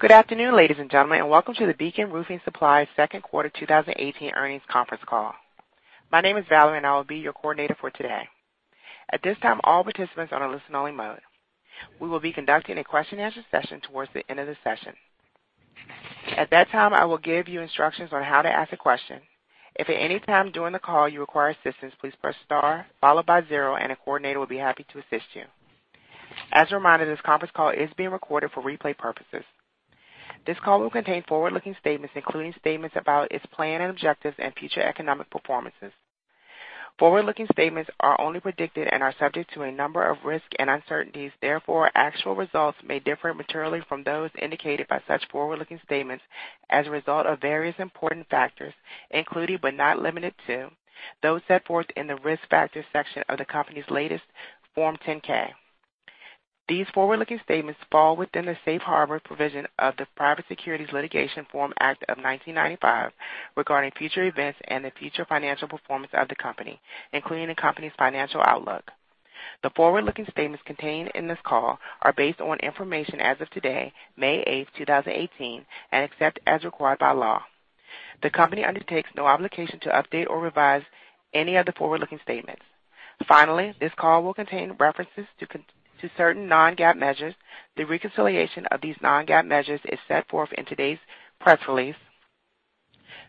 Good afternoon, ladies and gentlemen, and welcome to the Beacon Roofing Supply second quarter 2018 earnings conference call. My name is Valerie, and I will be your coordinator for today. At this time, all participants are on a listen-only mode. We will be conducting a question-and-answer session towards the end of the session. At that time, I will give you instructions on how to ask a question. If at any time during the call you require assistance, please press star followed by zero, and a coordinator will be happy to assist you. As a reminder, this conference call is being recorded for replay purposes. This call will contain forward-looking statements, including statements about its plan and objectives and future economic performances. Forward-looking statements are only predicted and are subject to a number of risks and uncertainties. Actual results may differ materially from those indicated by such forward-looking statements as a result of various important factors, including, but not limited to, those set forth in the Risk Factors section of the company's latest Form 10-K. These forward-looking statements fall within the safe harbor provision of the Private Securities Litigation Reform Act of 1995 regarding future events and the future financial performance of the company, including the company's financial outlook. The forward-looking statements contained in this call are based on information as of today, May eighth, 2018, and except as required by law. The company undertakes no obligation to update or revise any of the forward-looking statements. Finally, this call will contain references to certain non-GAAP measures. The reconciliation of these non-GAAP measures is set forth in today's press release.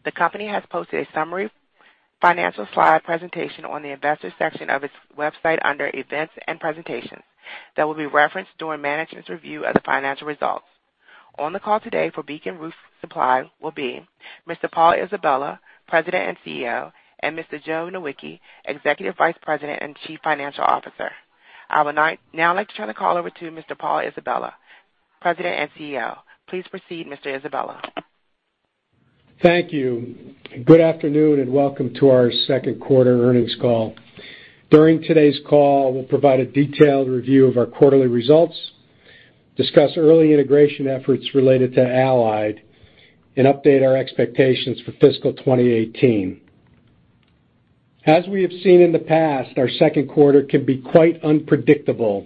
The company has posted a summary financial slide presentation on the Investors section of its website under Events and Presentations that will be referenced during management's review of the financial results. On the call today for Beacon Roofing Supply will be Mr. Paul Isabella, President and CEO, and Mr. Joseph Nowicki, Executive Vice President and Chief Financial Officer. I would now like to turn the call over to Mr. Paul Isabella, President and CEO. Please proceed, Mr. Isabella. Thank you. Good afternoon, and welcome to our second quarter earnings call. During today's call, we'll provide a detailed review of our quarterly results, discuss early integration efforts related to Allied, and update our expectations for fiscal 2018. As we have seen in the past, our second quarter can be quite unpredictable.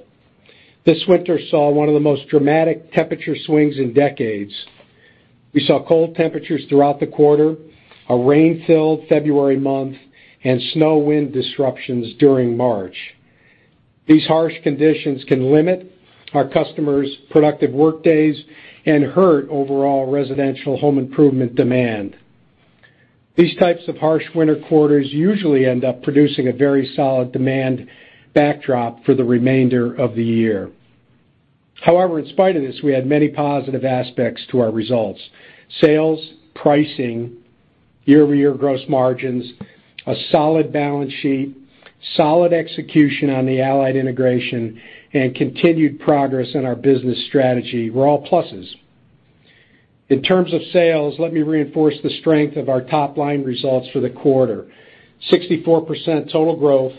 This winter saw one of the most dramatic temperature swings in decades. We saw cold temperatures throughout the quarter, a rain-filled February month, and snow/wind disruptions during March. These harsh conditions can limit our customers' productive workdays and hurt overall residential home improvement demand. These types of harsh winter quarters usually end up producing a very solid demand backdrop for the remainder of the year. In spite of this, we had many positive aspects to our results. Sales, pricing, year-over-year gross margins, a solid balance sheet, solid execution on the Allied integration, and continued progress in our business strategy were all pluses. In terms of sales, let me reinforce the strength of our top-line results for the quarter. 64% total growth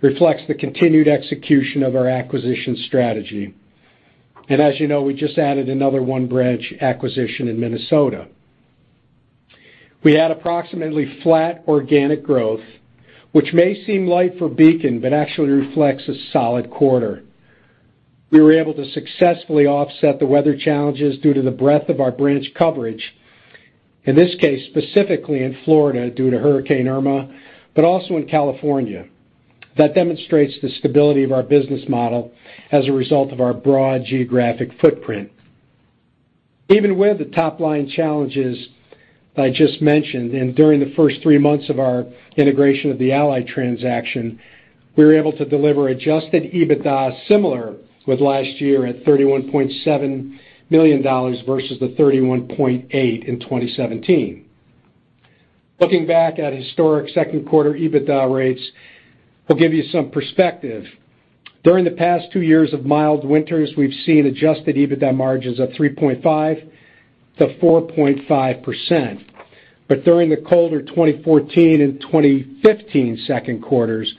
reflects the continued execution of our acquisition strategy. As you know, we just added another one branch acquisition in Minnesota. We had approximately flat organic growth, which may seem light for Beacon, but actually reflects a solid quarter. We were able to successfully offset the weather challenges due to the breadth of our branch coverage. In this case, specifically in Florida, due to Hurricane Irma, but also in California. That demonstrates the stability of our business model as a result of our broad geographic footprint. Even with the top-line challenges I just mentioned and during the first three months of our integration of the Allied transaction, we were able to deliver adjusted EBITDA similar with last year at $31.7 million versus the $31.8 million in 2017. Looking back at historic second quarter EBITDA rates will give you some perspective. During the past two years of mild winters, we've seen adjusted EBITDA margins of 3.5%-4.5%, but during the colder 2014 and 2015 second quarters,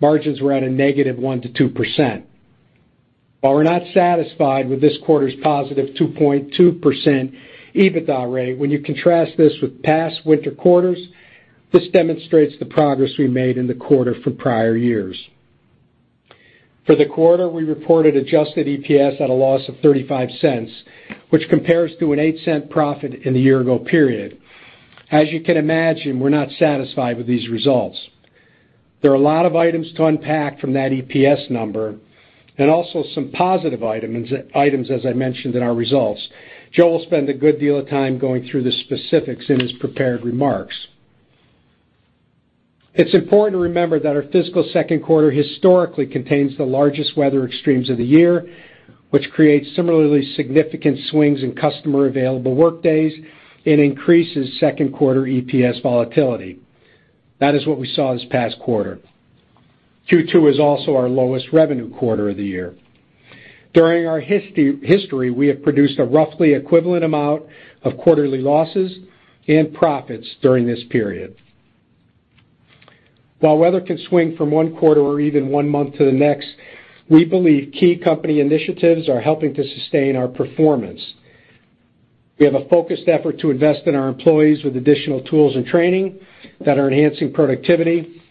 margins were at a negative 1% to 2%. While we're not satisfied with this quarter's positive 2.2% EBITDA rate, when you contrast this with past winter quarters, this demonstrates the progress we made in the quarter for prior years. For the quarter, we reported adjusted EPS at a loss of $0.35, which compares to an $0.08 profit in the year-ago period. As you can imagine, we're not satisfied with these results. There are a lot of items to unpack from that EPS number and also some positive items, as I mentioned, in our results. Joe will spend a good deal of time going through the specifics in his prepared remarks. It's important to remember that our fiscal second quarter historically contains the largest weather extremes of the year, which creates similarly significant swings in customer-available workdays and increases second quarter EPS volatility. That is what we saw this past quarter. Q2 is also our lowest revenue quarter of the year. During our history, we have produced a roughly equivalent amount of quarterly losses and profits during this period. While weather can swing from one quarter or even one month to the next, we believe key company initiatives are helping to sustain our performance. We have a focused effort to invest in our employees with additional tools and training that are enhancing productivity.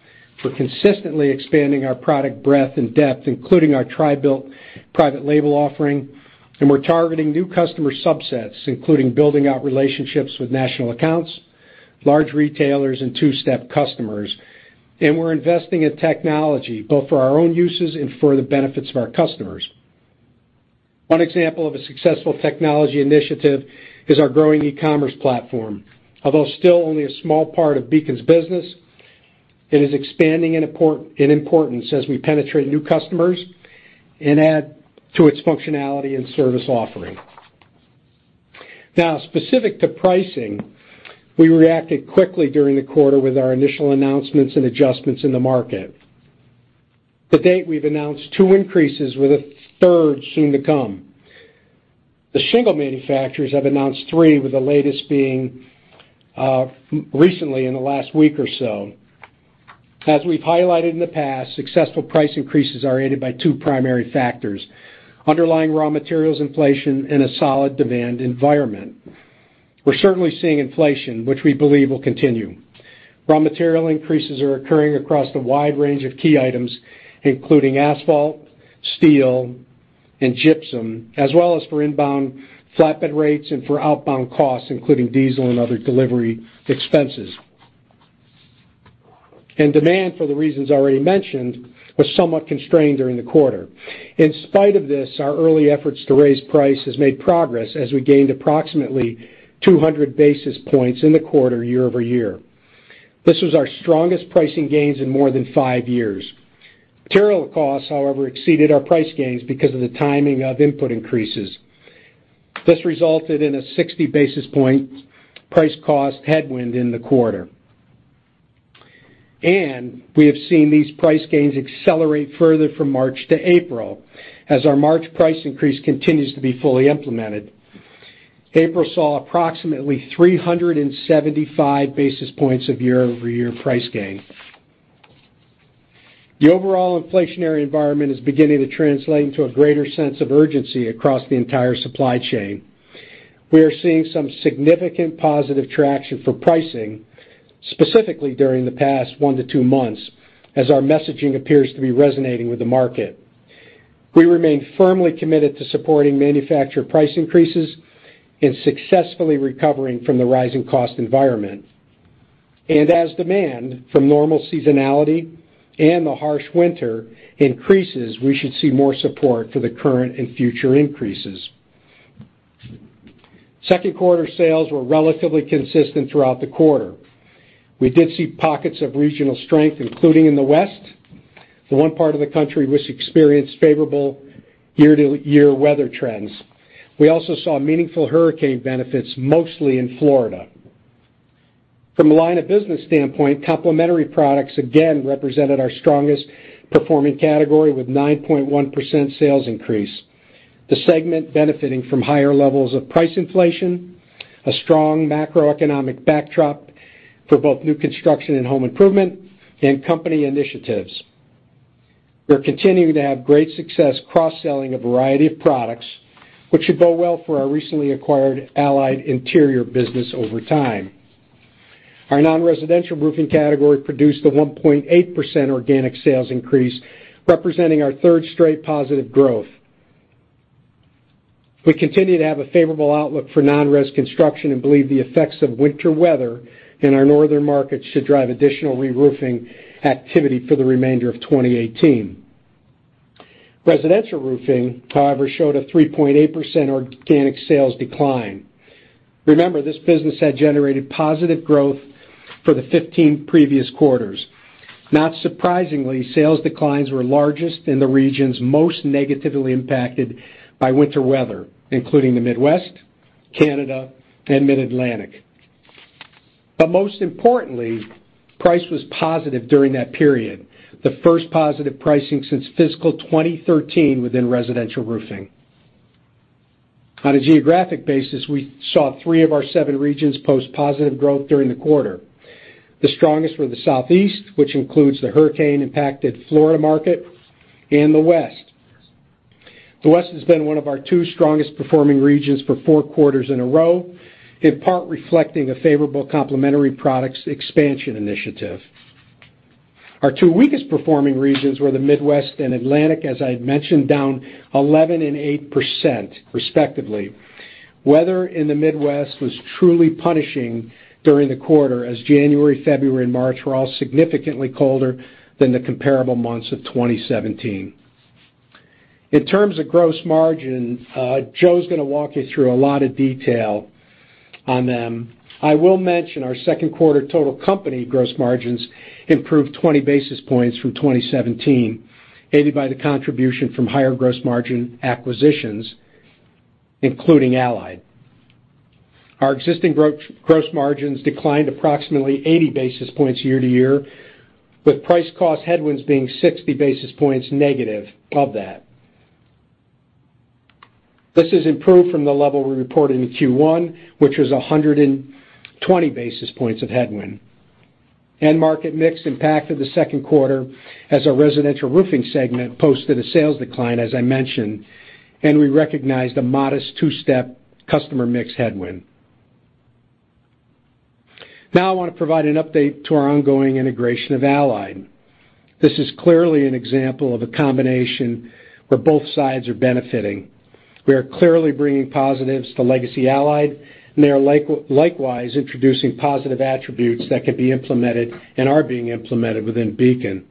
We're consistently expanding our product breadth and depth, including our TRI-BUILT private label offering, and we're targeting new customer subsets, including building out relationships with national accounts, large retailers, and two-step customers. We're investing in technology, both for our own uses and for the benefits of our customers. One example of a successful technology initiative is our growing e-commerce platform. Although still only a small part of Beacon's business, it is expanding in importance as we penetrate new customers and add to its functionality and service offering. Specific to pricing, we reacted quickly during the quarter with our initial announcements and adjustments in the market. To date, we've announced 2 increases, with a 3rd soon to come. The shingle manufacturers have announced 3, with the latest being recently in the last week or so. As we've highlighted in the past, successful price increases are aided by 2 primary factors: underlying raw materials inflation and a solid demand environment. We're certainly seeing inflation, which we believe will continue. Raw material increases are occurring across a wide range of key items, including asphalt, steel, and gypsum, as well as for inbound flatbed rates and for outbound costs, including diesel and other delivery expenses. Demand, for the reasons already mentioned, was somewhat constrained during the quarter. In spite of this, our early efforts to raise price has made progress as we gained approximately 200 basis points in the quarter year-over-year. This was our strongest pricing gains in more than five years. Material costs, however, exceeded our price gains because of the timing of input increases. This resulted in a 60-basis-point price-cost headwind in the quarter. We have seen these price gains accelerate further from March to April, as our March price increase continues to be fully implemented. April saw approximately 375 basis points of year-over-year price gain. The overall inflationary environment is beginning to translate into a greater sense of urgency across the entire supply chain. We are seeing some significant positive traction for pricing, specifically during the past one to two months, as our messaging appears to be resonating with the market. We remain firmly committed to supporting manufacturer price increases and successfully recovering from the rising cost environment. As demand from normal seasonality and the harsh winter increases, we should see more support for the current and future increases. second quarter sales were relatively consistent throughout the quarter. We did see pockets of regional strength, including in the West, the one part of the country which experienced favorable year-to-year weather trends. We also saw meaningful hurricane benefits, mostly in Florida. From a line of business standpoint, complementary products again represented our strongest performing category with 9.1% sales increase. The segment benefiting from higher levels of price inflation, a strong macroeconomic backdrop for both new construction and home improvement, and company initiatives. We're continuing to have great success cross-selling a variety of products, which should bode well for our recently acquired Allied Interior business over time. Our non-residential roofing category produced a 1.8% organic sales increase, representing our 3rd straight positive growth. We continue to have a favorable outlook for non-res construction and believe the effects of winter weather in our northern markets should drive additional reroofing activity for the remainder of 2018. Residential roofing, however, showed a 3.8% organic sales decline. Remember, this business had generated positive growth for the 15 previous quarters. Not surprisingly, sales declines were largest in the regions most negatively impacted by winter weather, including the Midwest, Canada, and mid-Atlantic. Most importantly, price was positive during that period, the 1st positive pricing since fiscal 2013 within residential roofing. On a geographic basis, we saw 3 of our 7 regions post positive growth during the quarter. The strongest were the Southeast, which includes the hurricane-impacted Florida market, and the West. The West has been one of our two strongest performing regions for four quarters in a row, in part reflecting a favorable complementary products expansion initiative. Our two weakest performing regions were the Midwest and Atlantic, as I mentioned, down 11% and 8%, respectively. Weather in the Midwest was truly punishing during the quarter, as January, February, and March were all significantly colder than the comparable months of 2017. In terms of gross margin, Joe's going to walk you through a lot of detail on them. I will mention our second quarter total company gross margins improved 20 basis points from 2017, aided by the contribution from higher gross margin acquisitions, including Allied. Our existing gross margins declined approximately 80 basis points year-to-year, with price cost headwinds being 60 basis points negative of that. This has improved from the level we reported in Q1, which was 120 basis points of headwind. End market mix impacted the second quarter as our residential roofing segment posted a sales decline, as I mentioned, and we recognized a modest two-step customer mix headwind. I want to provide an update to our ongoing integration of Allied. This is clearly an example of a combination where both sides are benefiting. We are clearly bringing positives to legacy Allied, and they are likewise introducing positive attributes that could be implemented and are being implemented within Beacon.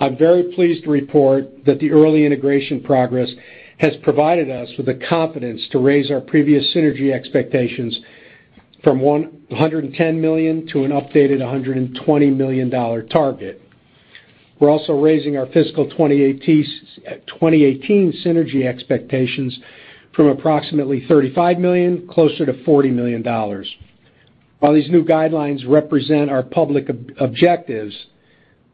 I'm very pleased to report that the early integration progress has provided us with the confidence to raise our previous synergy expectations from $110 million to an updated $120 million target. We're also raising our fiscal 2018 synergy expectations from approximately $35 million closer to $40 million. While these new guidelines represent our public objectives,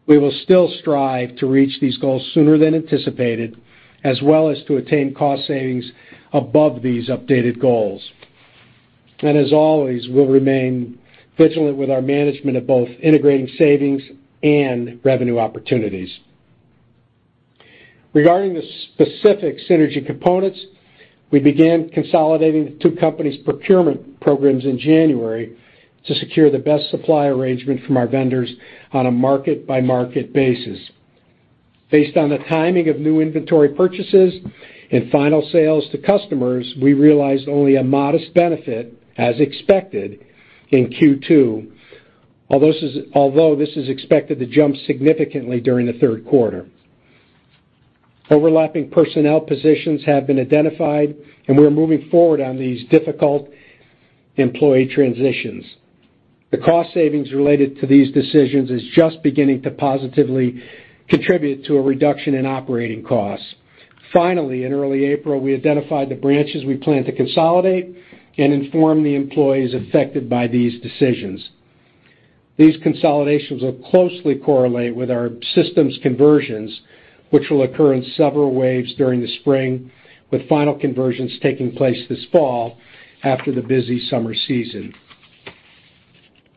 we will still strive to reach these goals sooner than anticipated, as well as to attain cost savings above these updated goals. As always, we'll remain vigilant with our management of both integrating savings and revenue opportunities. Regarding the specific synergy components, we began consolidating the two companies' procurement programs in January to secure the best supply arrangement from our vendors on a market-by-market basis. Based on the timing of new inventory purchases and final sales to customers, we realized only a modest benefit, as expected, in Q2, although this is expected to jump significantly during the third quarter. Overlapping personnel positions have been identified, and we're moving forward on these difficult employee transitions. The cost savings related to these decisions is just beginning to positively contribute to a reduction in operating costs. Finally, in early April, we identified the branches we plan to consolidate and inform the employees affected by these decisions. These consolidations will closely correlate with our systems conversions, which will occur in several waves during the spring, with final conversions taking place this fall after the busy summer season.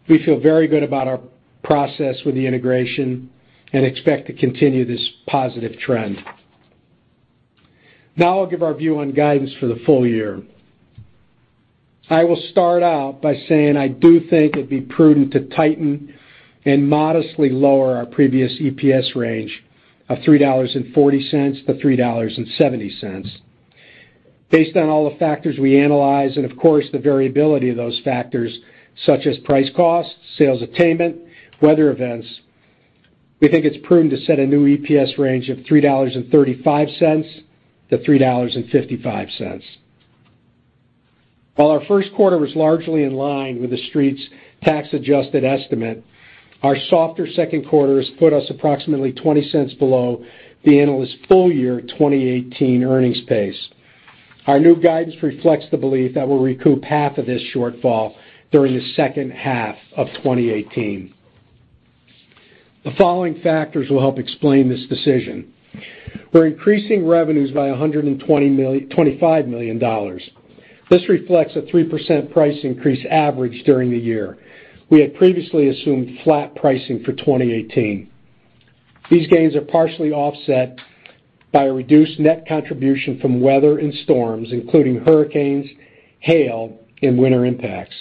We feel very good about our process with the integration and expect to continue this positive trend. I'll give our view on guidance for the full year. I will start out by saying I do think it'd be prudent to tighten and modestly lower our previous EPS range of $3.40-$3.70. Based on all the factors we analyze and, of course, the variability of those factors, such as price costs, sales attainment, weather events, we think it's prudent to set a new EPS range of $3.35-$3.55. While our first quarter was largely in line with the Street's tax-adjusted estimate, our softer second quarter has put us approximately $0.20 below the analyst full-year 2018 earnings pace. Our new guidance reflects the belief that we'll recoup half of this shortfall during the second half of 2018. The following factors will help explain this decision. We're increasing revenues by $125 million. This reflects a 3% price increase average during the year. We had previously assumed flat pricing for 2018. These gains are partially offset by a reduced net contribution from weather and storms, including hurricanes, hail, and winter impacts.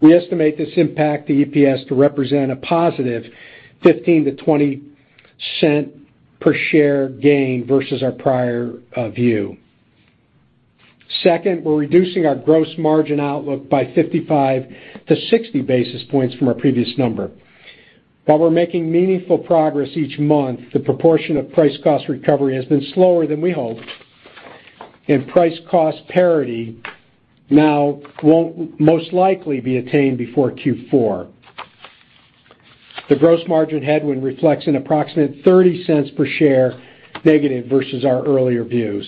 We estimate this impact to EPS to represent a positive $0.15 to $0.20 per share gain versus our prior view. Second, we're reducing our gross margin outlook by 55 to 60 basis points from our previous number. While we're making meaningful progress each month, the proportion of price-cost recovery has been slower than we hoped, price-cost parity now won't most likely be attained before Q4. The gross margin headwind reflects an approximate $0.30 per share negative versus our earlier views.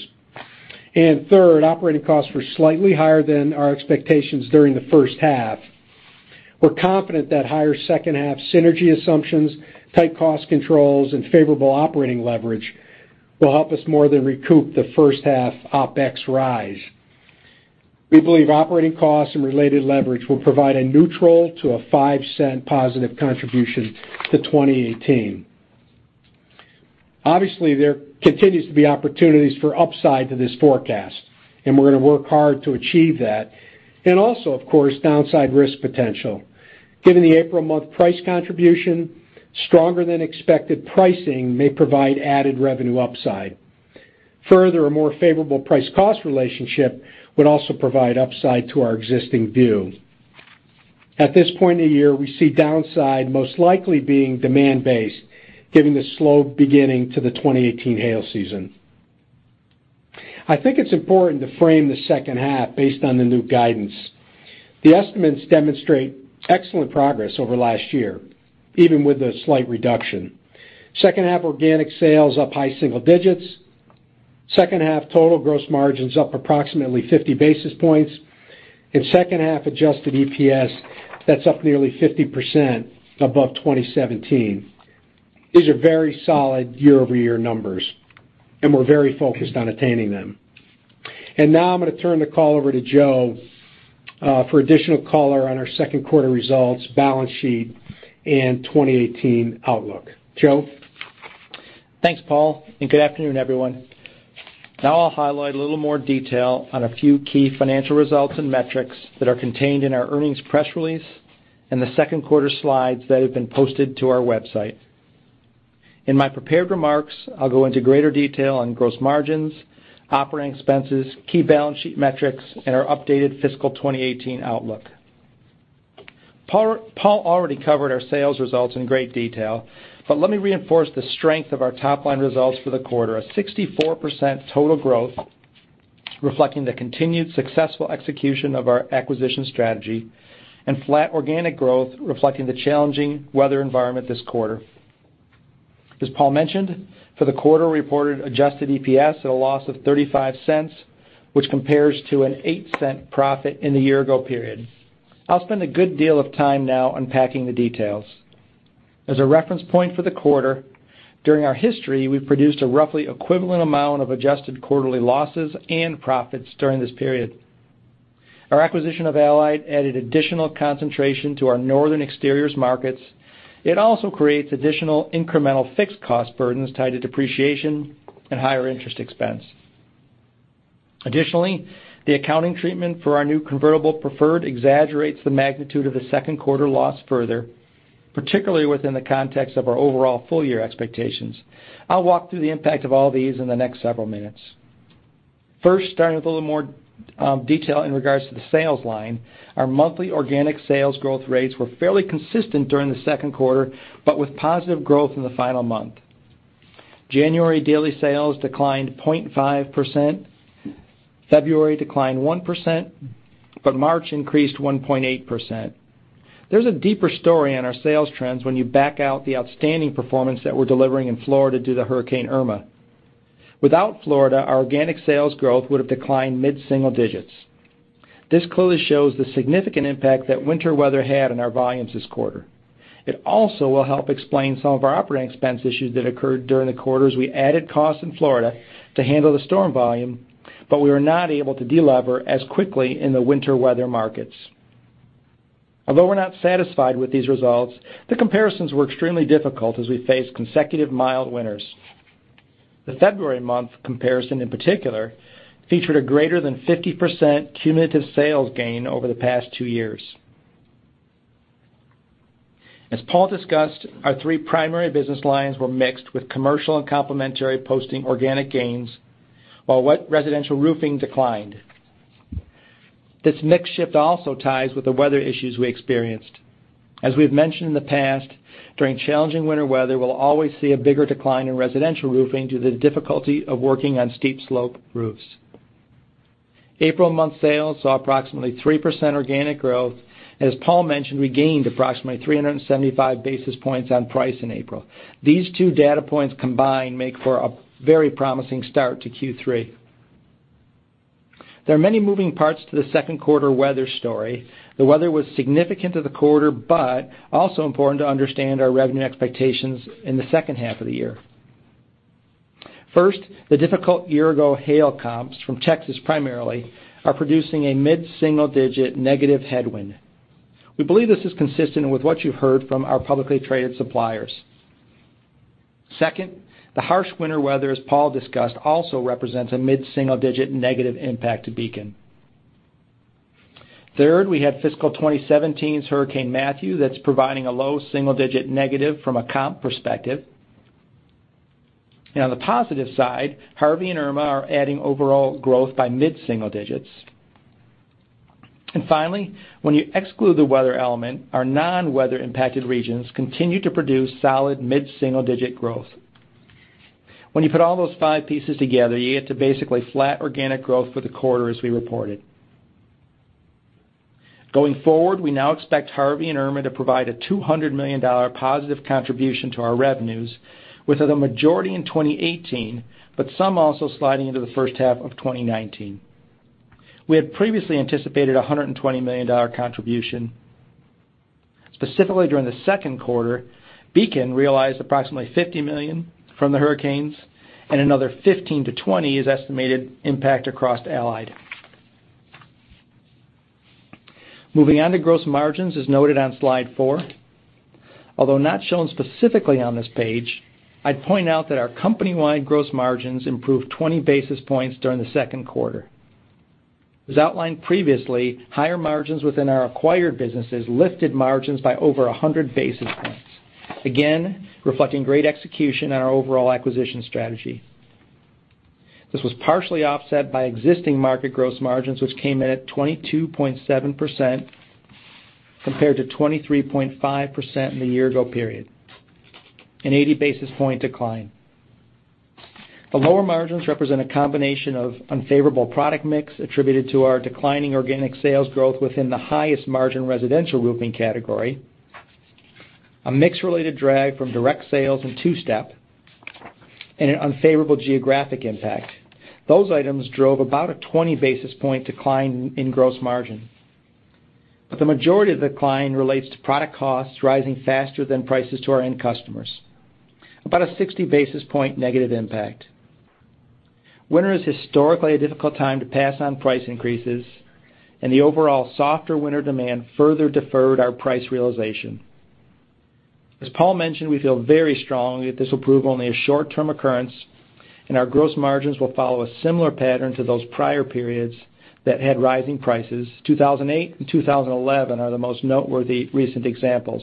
Third, operating costs were slightly higher than our expectations during the first half. We're confident that higher second-half synergy assumptions, tight cost controls, and favorable operating leverage will help us more than recoup the first half OpEx rise. We believe operating costs and related leverage will provide a neutral to a $0.05 positive contribution to 2018. Obviously, there continues to be opportunities for upside to this forecast. We're going to work hard to achieve that. Also, of course, downside risk potential. Given the April month price contribution, stronger than expected pricing may provide added revenue upside. Further, a more favorable price-cost relationship would also provide upside to our existing view. At this point in the year, we see downside most likely being demand-based, given the slow beginning to the 2018 hail season. I think it's important to frame the second half based on the new guidance. The estimates demonstrate excellent progress over last year, even with a slight reduction. Second half organic sales up high single digits, second half total gross margins up approximately 50 basis points, and second half adjusted EPS, that's up nearly 50% above 2017. These are very solid year-over-year numbers. We're very focused on attaining them. Now I'm going to turn the call over to Joe for additional color on our second quarter results, balance sheet, and 2018 outlook. Joe? Thanks, Paul, and good afternoon, everyone. Now I'll highlight a little more detail on a few key financial results and metrics that are contained in our earnings press release and the second quarter slides that have been posted to our website. In my prepared remarks, I'll go into greater detail on gross margins, operating expenses, key balance sheet metrics, and our updated fiscal 2018 outlook. Paul already covered our sales results in great detail, but let me reinforce the strength of our top-line results for the quarter. A 64% total growth, reflecting the continued successful execution of our acquisition strategy, and flat organic growth reflecting the challenging weather environment this quarter. As Paul mentioned, for the quarter, we reported adjusted EPS at a loss of $0.35, which compares to an $0.08 profit in the year-ago period. I'll spend a good deal of time now unpacking the details. As a reference point for the quarter, during our history, we've produced a roughly equivalent amount of adjusted quarterly losses and profits during this period. Our acquisition of Allied added additional concentration to our northern exteriors markets. It also creates additional incremental fixed cost burdens tied to depreciation and higher interest expense. Additionally, the accounting treatment for our new convertible preferred exaggerates the magnitude of the second quarter loss further, particularly within the context of our overall full-year expectations. I'll walk through the impact of all these in the next several minutes. First, starting with a little more detail in regards to the sales line. Our monthly organic sales growth rates were fairly consistent during the second quarter, but with positive growth in the final month. January daily sales declined 0.5%, February declined 1%, March increased 1.8%. There's a deeper story on our sales trends when you back out the outstanding performance that we're delivering in Florida due to Hurricane Irma. Without Florida, our organic sales growth would've declined mid-single digits. This clearly shows the significant impact that winter weather had on our volumes this quarter. It also will help explain some of our operating expense issues that occurred during the quarter as we added costs in Florida to handle the storm volume, but we were not able to de-lever as quickly in the winter weather markets. Although we're not satisfied with these results, the comparisons were extremely difficult as we faced consecutive mild winters. The February month comparison, in particular, featured a greater than 50% cumulative sales gain over the past 2 years. As Paul discussed, our three primary business lines were mixed, with commercial and complementary posting organic gains, while residential roofing declined. This mix shift also ties with the weather issues we experienced. As we've mentioned in the past, during challenging winter weather, we'll always see a bigger decline in residential roofing due to the difficulty of working on steep slope roofs. April month sales saw approximately 3% organic growth. As Paul mentioned, we gained approximately 375 basis points on price in April. These 2 data points combined make for a very promising start to Q3. There are many moving parts to the second quarter weather story. The weather was significant to the quarter but also important to understand our revenue expectations in the second half of the year. First, the difficult year-ago hail comps from Texas primarily are producing a mid-single-digit negative headwind. We believe this is consistent with what you've heard from our publicly traded suppliers. Second, the harsh winter weather, as Paul discussed, also represents a mid-single-digit negative impact to Beacon. Third, we have fiscal 2017's Hurricane Matthew that's providing a low single-digit negative from a comp perspective. On the positive side, Harvey and Irma are adding overall growth by mid-single digits. Finally, when you exclude the weather element, our non-weather impacted regions continue to produce solid mid-single-digit growth. When you put all those 5 pieces together, you get to basically flat organic growth for the quarter as we reported. Going forward, we now expect Harvey and Irma to provide a $200 million positive contribution to our revenues with the majority in 2018, but some also sliding into the first half of 2019. We had previously anticipated $120 million contribution. Specifically, during the second quarter, Beacon realized approximately $50 million from the hurricanes and another $15-$20 is estimated impact across Allied. Moving on to gross margins as noted on slide four. Although not shown specifically on this page, I'd point out that our company-wide gross margins improved 20 basis points during the second quarter. As outlined previously, higher margins within our acquired businesses lifted margins by over 100 basis points, again, reflecting great execution on our overall acquisition strategy. This was partially offset by existing market gross margins, which came in at 22.7% compared to 23.5% in the year-ago period, an 80-basis-point decline. The lower margins represent a combination of unfavorable product mix attributed to our declining organic sales growth within the highest-margin residential roofing category, a mix-related drag from direct sales and two-step, and an unfavorable geographic impact. Those items drove about a 20-basis-point decline in gross margin. The majority of the decline relates to product costs rising faster than prices to our end customers. About a 60-basis-point negative impact. Winter is historically a difficult time to pass on price increases, and the overall softer winter demand further deferred our price realization. As Paul mentioned, we feel very strongly that this will prove only a short-term occurrence, and our gross margins will follow a similar pattern to those prior periods that had rising prices. 2008 and 2011 are the most noteworthy recent examples.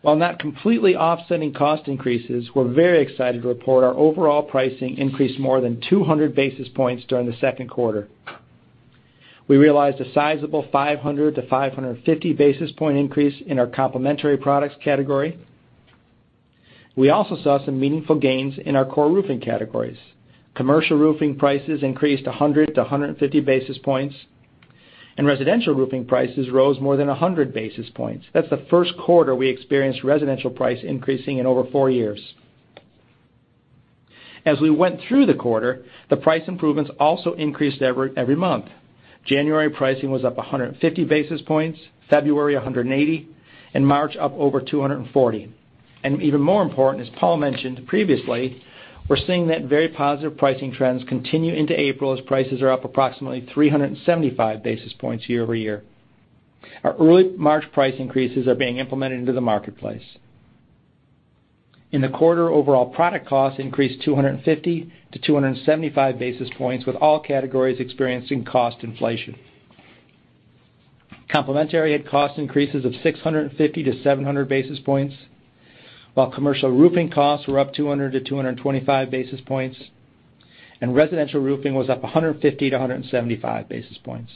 While not completely offsetting cost increases, we're very excited to report our overall pricing increased more than 200 basis points during the second quarter. We realized a sizable 500 to 550 basis point increase in our complementary products category. We also saw some meaningful gains in our core roofing categories. Commercial roofing prices increased 100 to 150 basis points, and residential roofing prices rose more than 100 basis points. That's the first quarter we experienced residential price increasing in over four years. As we went through the quarter, the price improvements also increased every month. January pricing was up 150 basis points, February 180, and March up over 240. Even more important, as Paul mentioned previously, we're seeing that very positive pricing trends continue into April as prices are up approximately 375 basis points year-over-year. Our early March price increases are being implemented into the marketplace. In the quarter, overall product costs increased 250 to 275 basis points, with all categories experiencing cost inflation. Complementary had cost increases of 650 to 700 basis points, while commercial roofing costs were up 200 to 225 basis points, and residential roofing was up 150 to 175 basis points.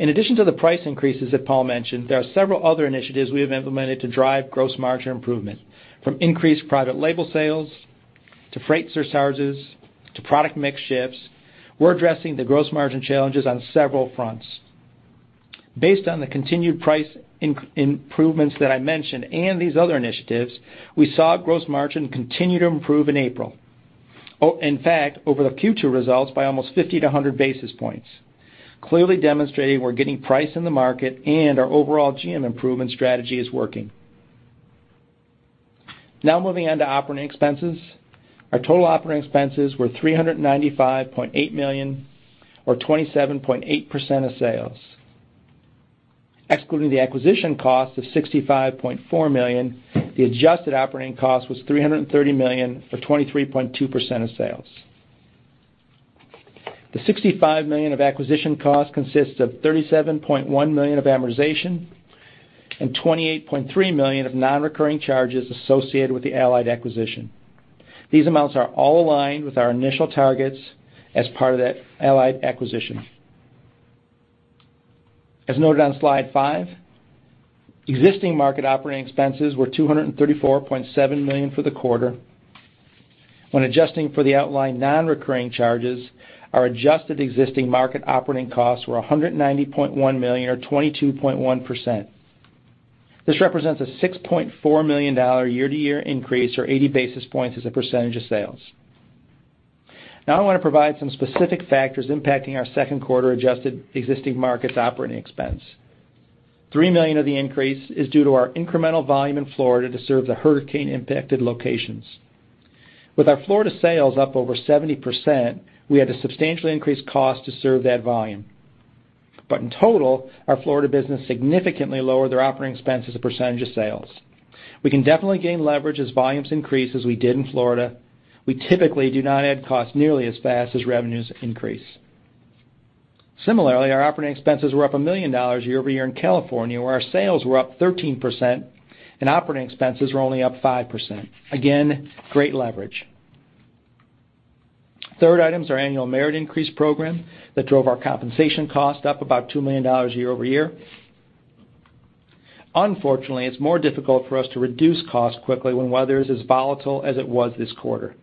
In addition to the price increases that Paul mentioned, there are several other initiatives we have implemented to drive gross margin improvement, from increased private label sales to freight surcharges to product mix shifts. We're addressing the gross margin challenges on several fronts. Based on the continued price improvements that I mentioned and these other initiatives, we saw gross margin continue to improve in April. In fact, over the Q2 results by almost 50 to 100 basis points, clearly demonstrating we're getting price in the market and our overall GM improvement strategy is working. Moving on to operating expenses. Our total operating expenses were $395.8 million or 27.8% of sales. Excluding the acquisition cost of $65.4 million, the adjusted operating cost was $330 million, for 23.2% of sales. The $65 million of acquisition cost consists of $37.1 million of amortization and $28.3 million of non-recurring charges associated with the Allied acquisition. These amounts are all aligned with our initial targets as part of that Allied acquisition. As noted on slide five, existing market operating expenses were $234.7 million for the quarter. When adjusting for the outlined non-recurring charges, our adjusted existing market operating costs were $190.1 million or 22.1%. This represents a $6.4 million year-to-year increase, or 80 basis points as a percentage of sales. I want to provide some specific factors impacting our second quarter adjusted existing markets operating expense. $3 million of the increase is due to our incremental volume in Florida to serve the hurricane-impacted locations. With our Florida sales up over 70%, we had to substantially increase cost to serve that volume. But in total, our Florida business significantly lowered their operating expense as a percentage of sales. We can definitely gain leverage as volumes increase as we did in Florida. We typically do not add cost nearly as fast as revenues increase. Similarly, our operating expenses were up $1 million year-over-year in California, where our sales were up 13% and operating expenses were only up 5%. Again, great leverage. Third item is our annual merit increase program that drove our compensation cost up about $2 million year-over-year. Unfortunately, it's more difficult for us to reduce costs quickly when weather is as volatile as it was this quarter.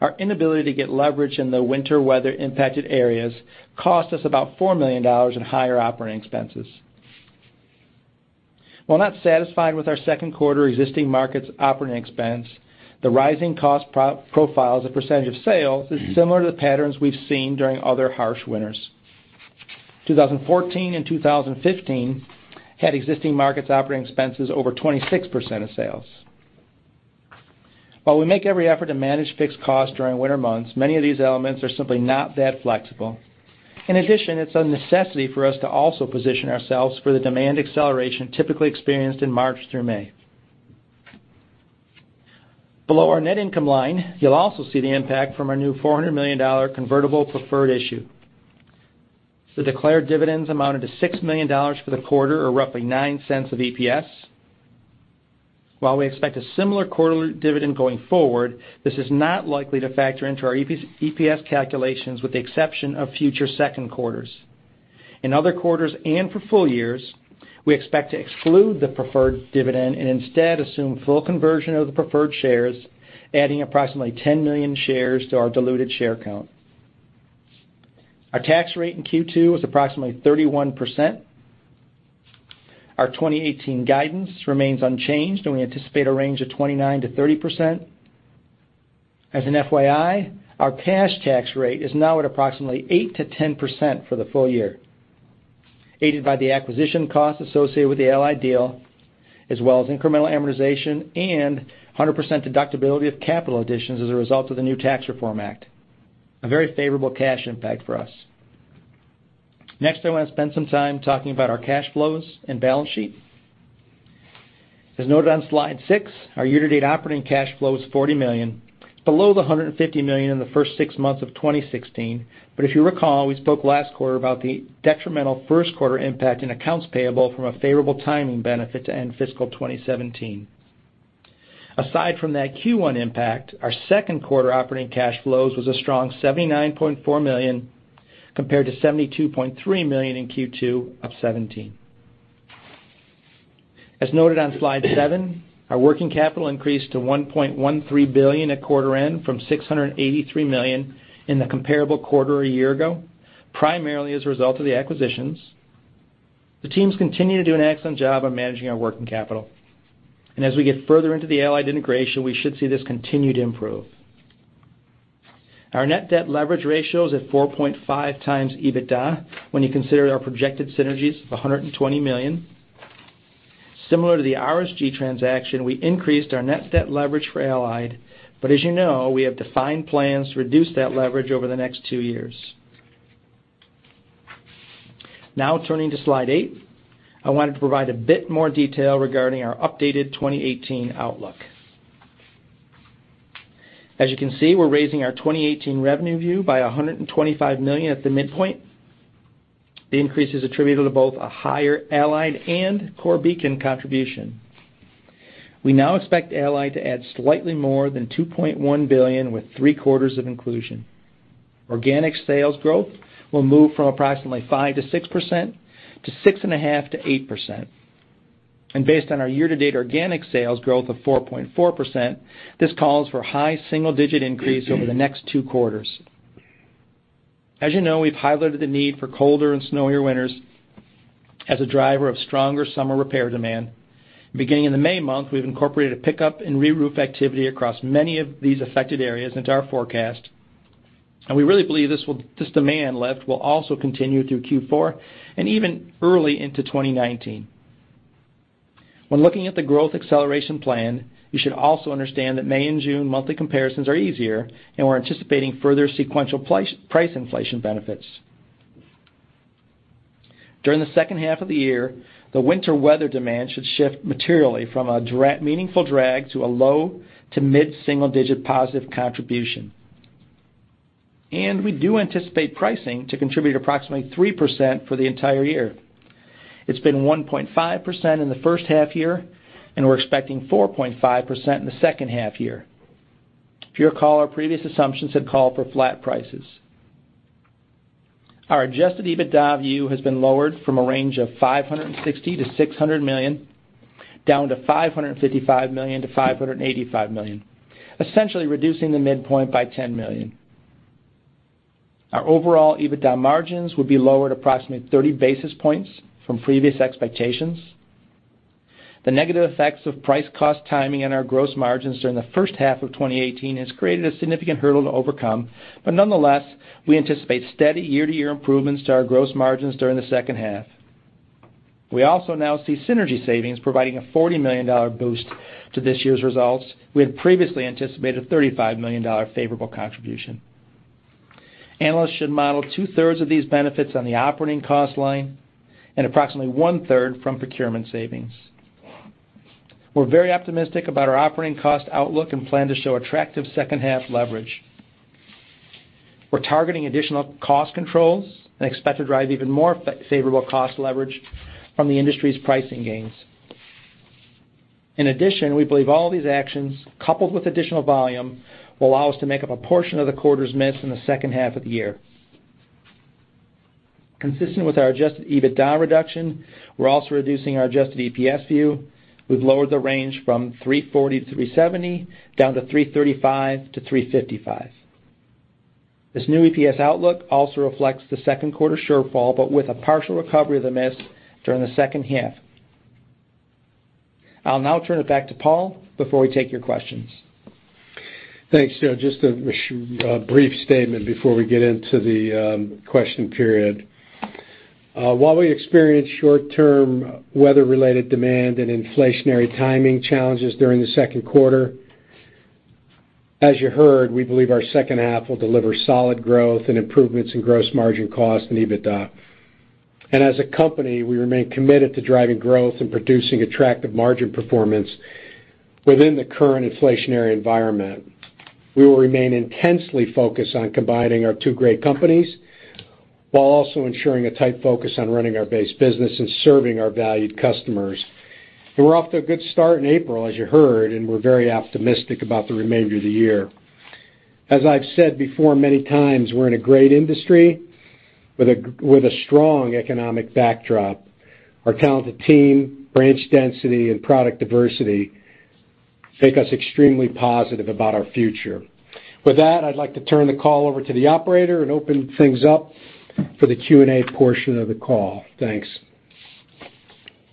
Our inability to get leverage in the winter weather-impacted areas cost us about $4 million in higher operating expenses. While not satisfied with our second quarter existing markets operating expense, the rising cost profile as a percentage of sales is similar to the patterns we've seen during other harsh winters. 2014 and 2015 had existing markets operating expenses over 26% of sales. While we make every effort to manage fixed costs during winter months, many of these elements are simply not that flexible. In addition, it's a necessity for us to also position ourselves for the demand acceleration typically experienced in March through May. Below our net income line, you'll also see the impact from our new $400 million convertible preferred issue. The declared dividends amounted to $6 million for the quarter, or roughly $0.09 of EPS. While we expect a similar quarterly dividend going forward, this is not likely to factor into our EPS calculations, with the exception of future second quarters. In other quarters and for full years, we expect to exclude the preferred dividend and instead assume full conversion of the preferred shares, adding approximately 10 million shares to our diluted share count. Our tax rate in Q2 was approximately 31%. Our 2018 guidance remains unchanged, and we anticipate a range of 29%-30%. As an FYI, our cash tax rate is now at approximately 8%-10% for the full year, aided by the acquisition costs associated with the Allied deal, as well as incremental amortization and 100% deductibility of capital additions as a result of the new Tax Reform Act. A very favorable cash impact for us. Next, I want to spend some time talking about our cash flows and balance sheet. As noted on slide six, our year-to-date operating cash flow is $40 million, below the $150 million in the first six months of 2016. But if you recall, we spoke last quarter about the detrimental first quarter impact in accounts payable from a favorable timing benefit to end fiscal 2017. Aside from that Q1 impact, our second quarter operating cash flows was a strong $79.4 million, compared to $72.3 million in Q2 of 2017. As noted on slide seven, our working capital increased to $1.13 billion at quarter end from $683 million in the comparable quarter a year ago, primarily as a result of the acquisitions. The teams continue to do an excellent job of managing our working capital. As we get further into the Allied integration, we should see this continue to improve. Our net debt leverage ratio is at 4.5x EBITDA when you consider our projected synergies of $120 million. Similar to the RSG transaction, we increased our net debt leverage for Allied, but as you know, we have defined plans to reduce that leverage over the next two years. Turning to slide eight, I wanted to provide a bit more detail regarding our updated 2018 outlook. As you can see, we're raising our 2018 revenue view by $125 million at the midpoint. The increase is attributable to both a higher Allied and Core Beacon contribution. We now expect Allied to add slightly more than $2.1 billion with three-quarters of inclusion. Organic sales growth will move from approximately 5%-6%, to 6.5%-8%. Based on our year-to-date organic sales growth of 4.4%, this calls for high single-digit increase over the next two quarters. As you know, we've highlighted the need for colder and snowier winters as a driver of stronger summer repair demand. Beginning in the May month, we've incorporated a pickup in reroof activity across many of these affected areas into our forecast, we really believe this demand lift will also continue through Q4 and even early into 2019. When looking at the growth acceleration plan, you should also understand that May and June monthly comparisons are easier, and we're anticipating further sequential price inflation benefits. During the second half of the year, the winter weather demand should shift materially from a meaningful drag to a low to mid-single digit positive contribution. We do anticipate pricing to contribute approximately 3% for the entire year. It's been 1.5% in the first half year, and we're expecting 4.5% in the second half year. If you recall, our previous assumptions had called for flat prices. Our adjusted EBITDA view has been lowered from a range of $560 million-$600 million, down to $555 million-$585 million, essentially reducing the midpoint by $10 million. Our overall EBITDA margins will be lowered approximately 30 basis points from previous expectations. The negative effects of price-cost timing on our gross margins during the first half of 2018 has created a significant hurdle to overcome. Nonetheless, we anticipate steady year-to-year improvements to our gross margins during the second half. We also now see synergy savings providing a $40 million boost to this year's results. We had previously anticipated a $35 million favorable contribution. Analysts should model two-thirds of these benefits on the operating cost line and approximately one-third from procurement savings. We're very optimistic about our operating cost outlook and plan to show attractive second half leverage. We're targeting additional cost controls and expect to drive even more favorable cost leverage from the industry's pricing gains. We believe all these actions, coupled with additional volume, will allow us to make up a portion of the quarter's miss in the second half of the year. Consistent with our adjusted EBITDA reduction, we're also reducing our adjusted EPS view. We've lowered the range from $3.40-$3.70, down to $3.35-$3.55. This new EPS outlook also reflects the second quarter shortfall, with a partial recovery of the miss during the second half. I'll now turn it back to Paul before we take your questions. Thanks, Joe. Just a brief statement before we get into the question period. While we experienced short-term weather-related demand and inflationary timing challenges during the second quarter, as you heard, we believe our second half will deliver solid growth and improvements in gross margin cost and EBITDA. As a company, we remain committed to driving growth and producing attractive margin performance within the current inflationary environment. We will remain intensely focused on combining our two great companies, while also ensuring a tight focus on running our base business and serving our valued customers. We're off to a good start in April, as you heard, and we're very optimistic about the remainder of the year. As I've said before many times, we're in a great industry with a strong economic backdrop. Our talented team, branch density, and product diversity make us extremely positive about our future. With that, I'd like to turn the call over to the operator and open things up for the Q&A portion of the call. Thanks.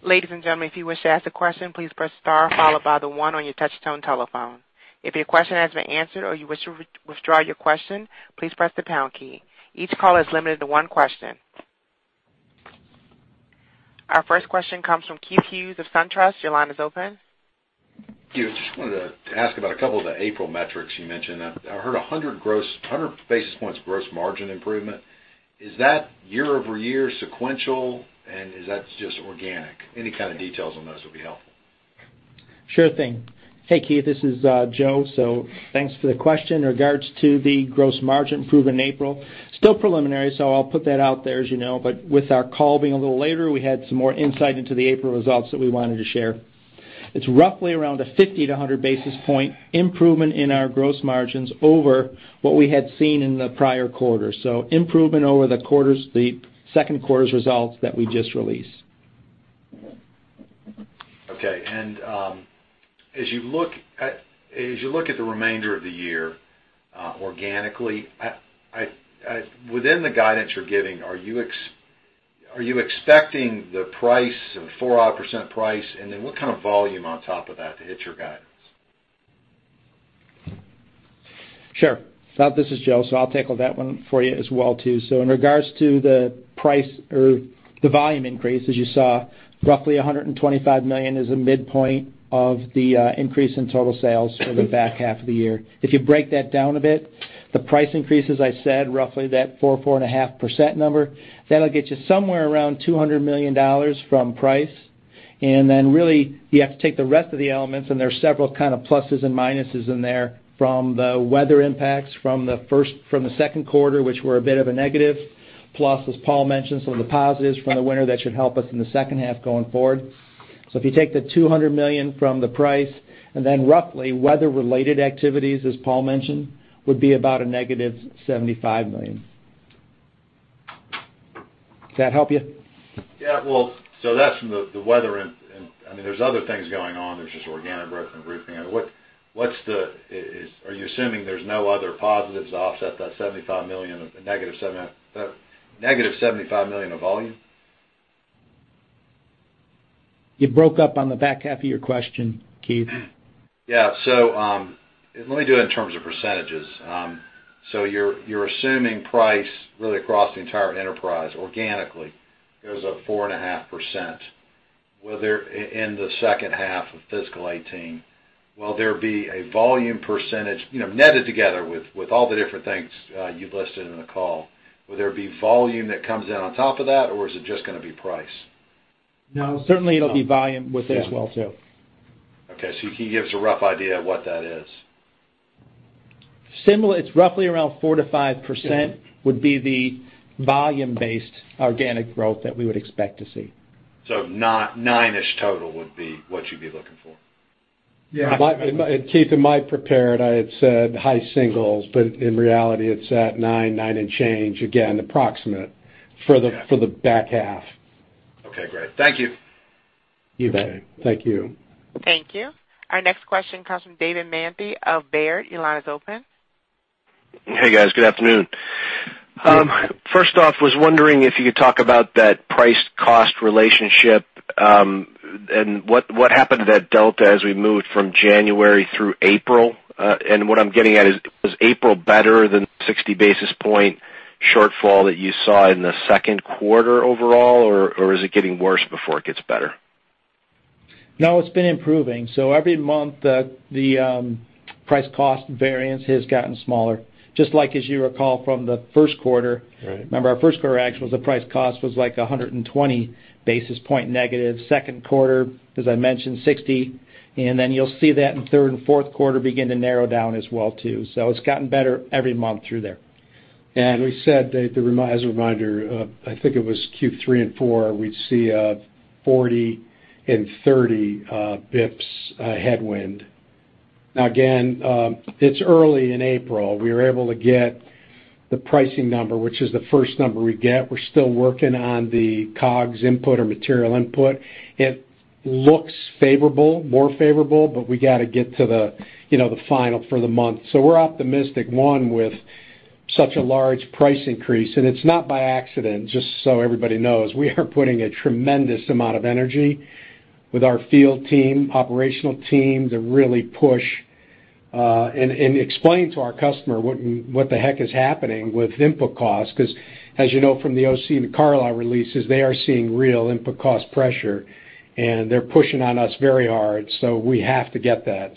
Ladies and gentlemen, if you wish to ask a question, please press star followed by the one on your touch-tone telephone. If your question has been answered or you wish to withdraw your question, please press the pound key. Each call is limited to one question. Our first question comes from Keith Hughes of SunTrust. Your line is open. Yeah, just wanted to ask about a couple of the April metrics you mentioned. I heard 100 basis points gross margin improvement. Is that year-over-year sequential, and is that just organic? Any kind of details on those would be helpful. Sure thing. Hey, Keith, this is Joe. Thanks for the question. In regards to the gross margin improvement in April, still preliminary, I'll put that out there, as you know. With our call being a little later, we had some more insight into the April results that we wanted to share. It's roughly around a 50 to 100 basis point improvement in our gross margins over what we had seen in the prior quarter. Improvement over the second quarter's results that we just released. Okay. As you look at the remainder of the year organically, within the guidance you're giving, are you expecting the price of 4-odd% price, what kind of volume on top of that to hit your guidance? Sure. This is Joe. I'll tackle that one for you as well too. In regards to the price or the volume increase, as you saw, roughly $125 million is a midpoint of the increase in total sales for the back half of the year. If you break that down a bit, the price increase, as I said, roughly that 4%, 4.5% number. That'll get you somewhere around $200 million from price, really, you have to take the rest of the elements, there are several kind of pluses and minuses in there from the weather impacts from the second quarter, which were a bit of a negative. As Paul mentioned, some of the positives from the winter that should help us in the second half going forward. If you take the $200 million from the price and then roughly weather-related activities, as Paul mentioned, would be about a negative $75 million. Does that help you? That's from the weather and, I mean, there's other things going on. There's just organic growth and roofing. Are you assuming there's no other positives to offset that negative $75 million of volume? You broke up on the back half of your question, Keith. Let me do it in terms of percentages. You're assuming price really across the entire enterprise organically goes up 4.5% in the second half of fiscal 2018. Will there be a volume percentage, netted together with all the different things you've listed in the call, will there be volume that comes in on top of that, or is it just going to be price? No, certainly it'll be volume with it as well too. Okay. Can you give us a rough idea of what that is? It's roughly around 4%-5% would be the volume-based organic growth that we would expect to see. Nine-ish total would be what you'd be looking for? Yeah. Keith, in my prepared I had said high singles. In reality it's at nine and change, again. Okay for the back half. Okay, great. Thank you. You bet. Thank you. Thank you. Our next question comes from David Manthey of Baird. Your line is open. Hey, guys. Good afternoon. First off, was wondering if you could talk about that price-cost relationship, and what happened to that delta as we moved from January through April. What I'm getting at is, was April better than the 60 basis point shortfall that you saw in the second quarter overall, or is it getting worse before it gets better? No, it's been improving. Every month, the price cost variance has gotten smaller. Just like as you recall from the first quarter. Right. Remember, our first quarter actually the price cost was like 120 basis points negative. Second quarter, as I mentioned, 60 basis points. Then you'll see that in third and fourth quarter begin to narrow down as well, too. It's gotten better every month through there. We said, as a reminder, I think it was Q3 and Q4, we'd see a 40 and 30 basis points headwind. Again, it's early in April. We were able to get the pricing number, which is the first number we get. We're still working on the COGS input or material input. It looks favorable, more favorable, but we got to get to the final for the month. We're optimistic, one, with such a large price increase. It's not by accident, just so everybody knows. We are putting a tremendous amount of energy with our field team, operational team to really push, and explain to our customer what the heck is happening with input costs. Because as you know from the OC and Carlisle releases, they are seeing real input cost pressure, and they're pushing on us very hard, so we have to get that.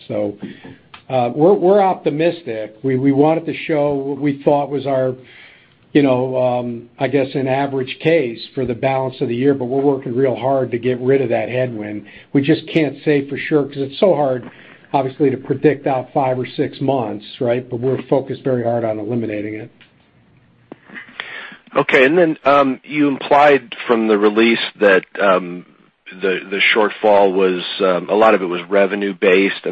We're optimistic. We wanted to show what we thought was our, I guess, an average case for the balance of the year. We're working real hard to get rid of that headwind. We just can't say for sure because it's so hard, obviously, to predict out five or six months, right? We're focused very hard on eliminating it. Okay. Then, you implied from the release that the shortfall, a lot of it was revenue-based.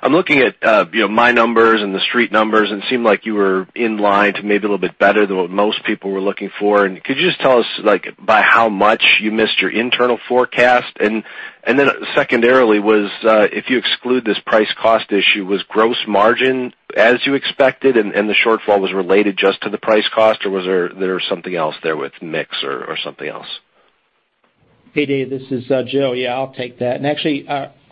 I'm looking at my numbers and the street numbers, and it seemed like you were in line to maybe a little bit better than what most people were looking for. Could you just tell us by how much you missed your internal forecast? Then secondarily was, if you exclude this price cost issue, was gross margin as you expected, and the shortfall was related just to the price cost, or was there something else there with mix or something else? Hey, Dave, this is Joe. Yeah, I'll take that.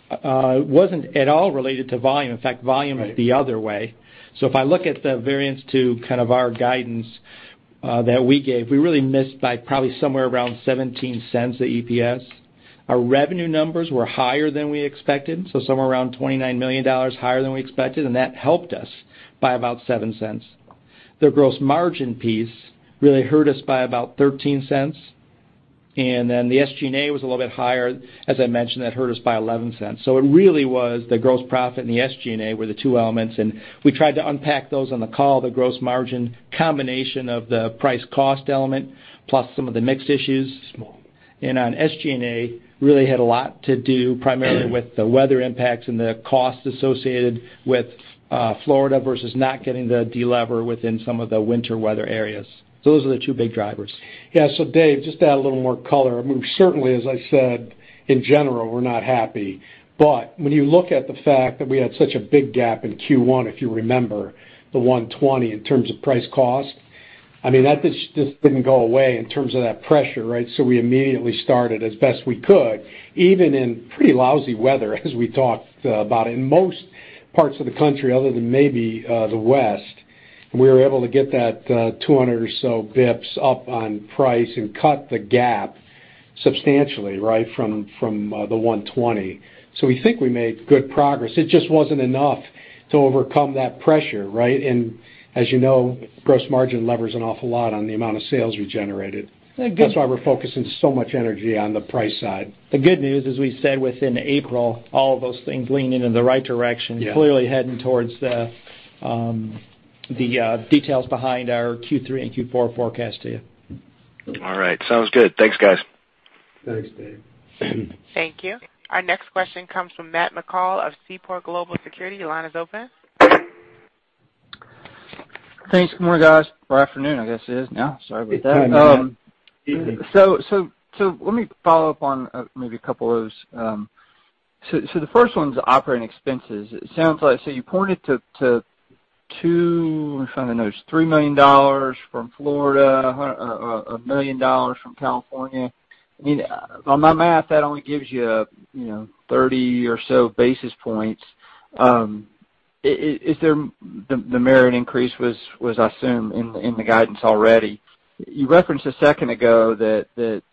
Actually, it wasn't at all related to volume. In fact, volume was the other way. If I look at the variance to kind of our guidance, that we gave, we really missed by probably somewhere around $0.17 an EPS. Our revenue numbers were higher than we expected, somewhere around $29 million higher than we expected, and that helped us by about $0.07. The gross margin piece really hurt us by about $0.13. The SG&A was a little bit higher, as I mentioned, that hurt us by $0.11. It really was the gross profit and the SG&A were the two elements, we tried to unpack those on the call, the gross margin combination of the price cost element, plus some of the mix issues. On SG&A, really had a lot to do primarily with the weather impacts and the cost associated with Florida versus not getting the delever within some of the winter weather areas. Those are the two big drivers. Yeah, Dave, just to add a little more color. I mean, certainly, as I said, in general, we're not happy. When you look at the fact that we had such a big gap in Q1, if you remember the 120 in terms of price cost, I mean, that just didn't go away in terms of that pressure, right? We immediately started as best we could, even in pretty lousy weather, as we talked about. In most parts of the country other than maybe, the West, we were able to get that 200 or so basis points up on price and cut the gap substantially from the 120. We think we made good progress. It just wasn't enough to overcome that pressure, right? As you know, gross margin levers an awful lot on the amount of sales you generated. That's why we're focusing so much energy on the price side. The good news, as we said within April, all of those things leaning in the right direction. Yeah clearly heading towards the details behind our Q3 and Q4 forecast to you. All right. Sounds good. Thanks, guys. Thanks, Dave. Thank you. Our next question comes from Matt McCall of Seaport Global Securities. Your line is open. Thanks. Good morning, guys or afternoon, I guess it is now. Sorry about that. Good afternoon. Let me follow up on maybe a couple of those. The first one's operating expenses. You pointed to two, I'm trying to know, $3 million from Florida, $1 million from California. I mean, on my math, that only gives you 30 or so basis points. The merit increase was, I assume, in the guidance already. You referenced a second ago that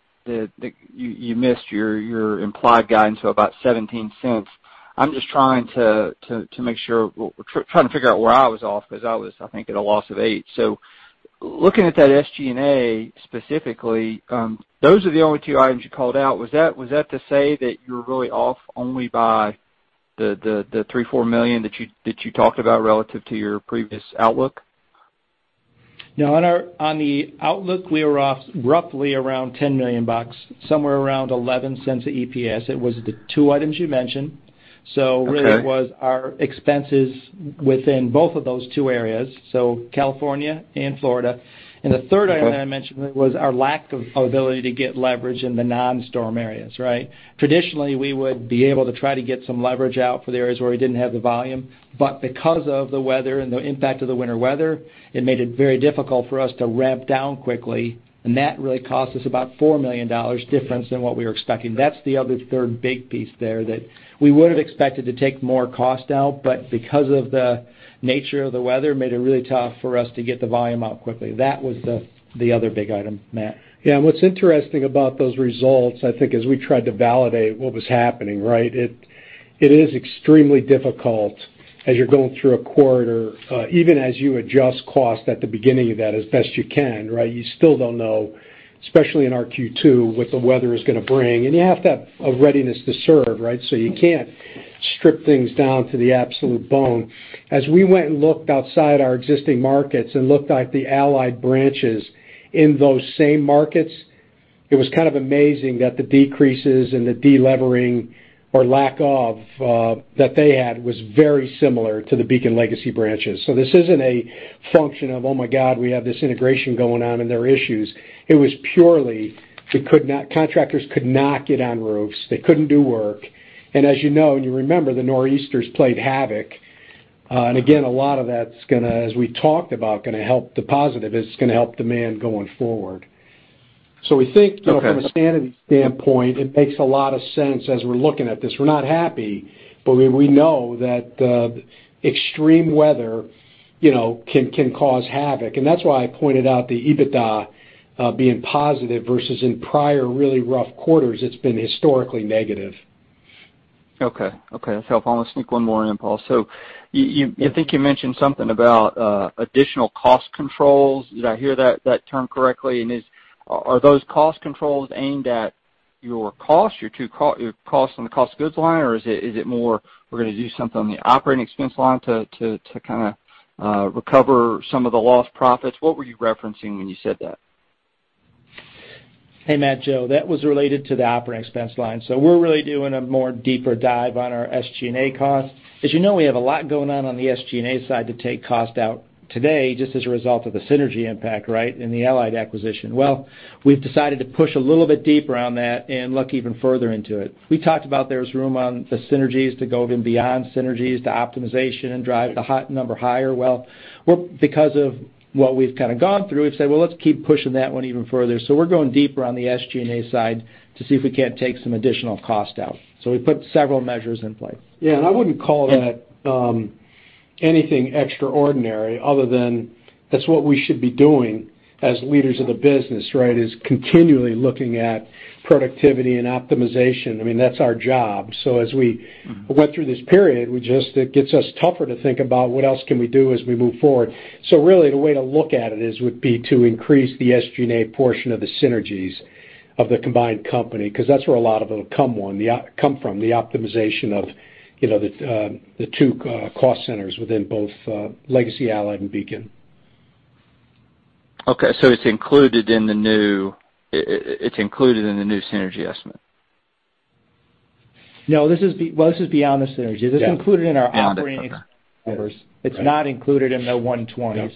you missed your implied guidance of about $0.17. I'm just trying to make sure, we're trying to figure out where I was off, because I was, I think, at a loss of eight. Looking at that SG&A specifically, those are the only two items you called out. Was that to say that you're really off only by the three, four million that you talked about relative to your previous outlook? No, on the outlook, we were off roughly around $10 million, somewhere around $0.11 a EPS. It was the two items you mentioned. Okay. Really, it was our expenses within both of those two areas, so California and Florida. Okay. The third item that I mentioned was our lack of ability to get leverage in the non-storm areas, right? Traditionally, we would be able to try to get some leverage out for the areas where we didn't have the volume. Because of the weather and the impact of the winter weather, it made it very difficult for us to ramp down quickly. That really cost us about $4 million difference than what we were expecting. That's the other third big piece there that we would've expected to take more cost out, but because of the nature of the weather, made it really tough for us to get the volume out quickly. That was the other big item, Matt. Yeah. What's interesting about those results, I think, as we tried to validate what was happening, right? It is extremely difficult as you're going through a quarter, even as you adjust cost at the beginning of that as best you can, you still don't know, especially in our Q2, what the weather is going to bring. You have to have a readiness to serve, right? You can't strip things down to the absolute bone. As we went and looked outside our existing markets and looked at the Allied branches in those same markets, it was kind of amazing that the decreases and the delevering or lack of, that they had was very similar to the Beacon legacy branches. This isn't a function of, "Oh my God, we have this integration going on and there are issues." It was purely, contractors could not get on roofs. They couldn't do work. As you know, and you remember, the Nor'easters played havoc. Again, a lot of that's going to, as we talked about, is going to help demand going forward. Okay. We think, from a standard standpoint, it makes a lot of sense as we're looking at this. We're not happy, but we know that extreme weather can cause havoc. That's why I pointed out the EBITDA, being positive versus in prior really rough quarters, it's been historically negative. Okay. If I want to sneak one more in, Paul. I think you mentioned something about additional cost controls. Did I hear that term correctly? Are those cost controls aimed at your cost, your cost on the cost goods line, or is it more we're going to do something on the operating expense line to kind of recover some of the lost profits? What were you referencing when you said that? Hey, Matt Joe. That was related to the operating expense line. We're really doing a more deeper dive on our SG&A costs. As you know, we have a lot going on on the SG&A side to take cost out today just as a result of the synergy impact in the Allied acquisition. We've decided to push a little bit deeper on that and look even further into it. We talked about there's room on the synergies to go even beyond synergies to optimization and drive the top number higher. Because of what we've kind of gone through, we've said, "Well, let's keep pushing that one even further." We're going deeper on the SG&A side to see if we can't take some additional cost out. We put several measures in place. I wouldn't call that anything extraordinary other than that's what we should be doing as leaders of the business, is continually looking at productivity and optimization. I mean, that's our job. As we went through this period, it gets us tougher to think about what else can we do as we move forward. Really, the way to look at it is would be to increase the SG&A portion of the synergies of the combined company, because that's where a lot of it will come from, the optimization of the two cost centers within both legacy Allied and Beacon. It's included in the new synergy estimate? This is beyond the synergy. This is included in our operating numbers. It's not included in the 120.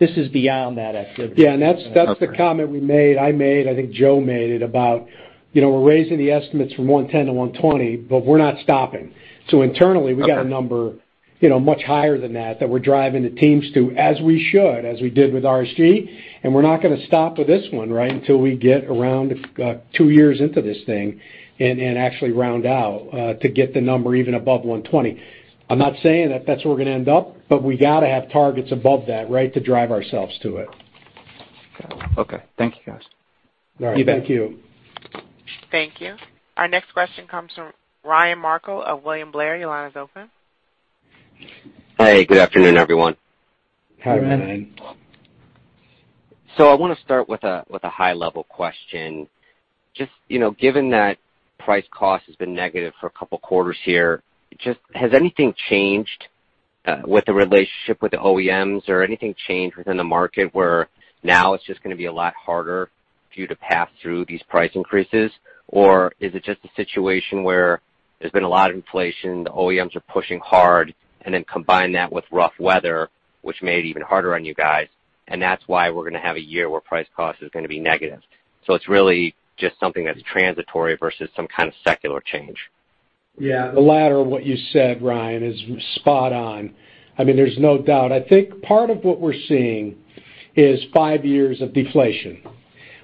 This is beyond that activity. Yeah. That's the comment we made, I made, I think Joe made it, about we're raising the estimates from 110 to 120, we're not stopping. Internally, we've got a number much higher than that that we're driving the teams to, as we should, as we did with RSG, and we're not going to stop with this one until we get around two years into this thing and actually round out to get the number even above 120. I'm not saying that that's where we're going to end up, we got to have targets above that to drive ourselves to it. Okay. Thank you, guys. All right. Thank you. Thank you. Our next question comes from Ryan Merkel of William Blair. Your line is open. Hey, good afternoon, everyone. Hi, Ryan. Good afternoon. I want to start with a high-level question. Just given that price cost has been negative for a couple of quarters here, has anything changed with the relationship with the OEMs or anything changed within the market where now it's just going to be a lot harder for you to pass through these price increases? Is it just a situation where there's been a lot of inflation, the OEMs are pushing hard, and then combine that with rough weather, which made it even harder on you guys, and that's why we're going to have a year where price cost is going to be negative? It's really just something that's transitory versus some kind of secular change. Yeah. The latter of what you said, Ryan, is spot on. I mean, there's no doubt. I think part of what we're seeing is five years of deflation.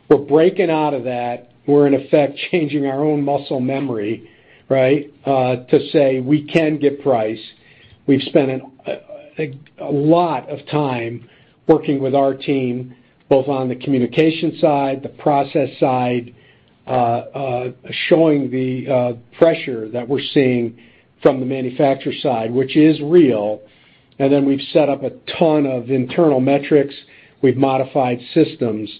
We're breaking out of that. We're in effect changing our own muscle memory to say we can get price. We've spent a lot of time working with our team, both on the communication side, the process side, showing the pressure that we're seeing from the manufacturer side, which is real. Then we've set up a ton of internal metrics. We've modified systems.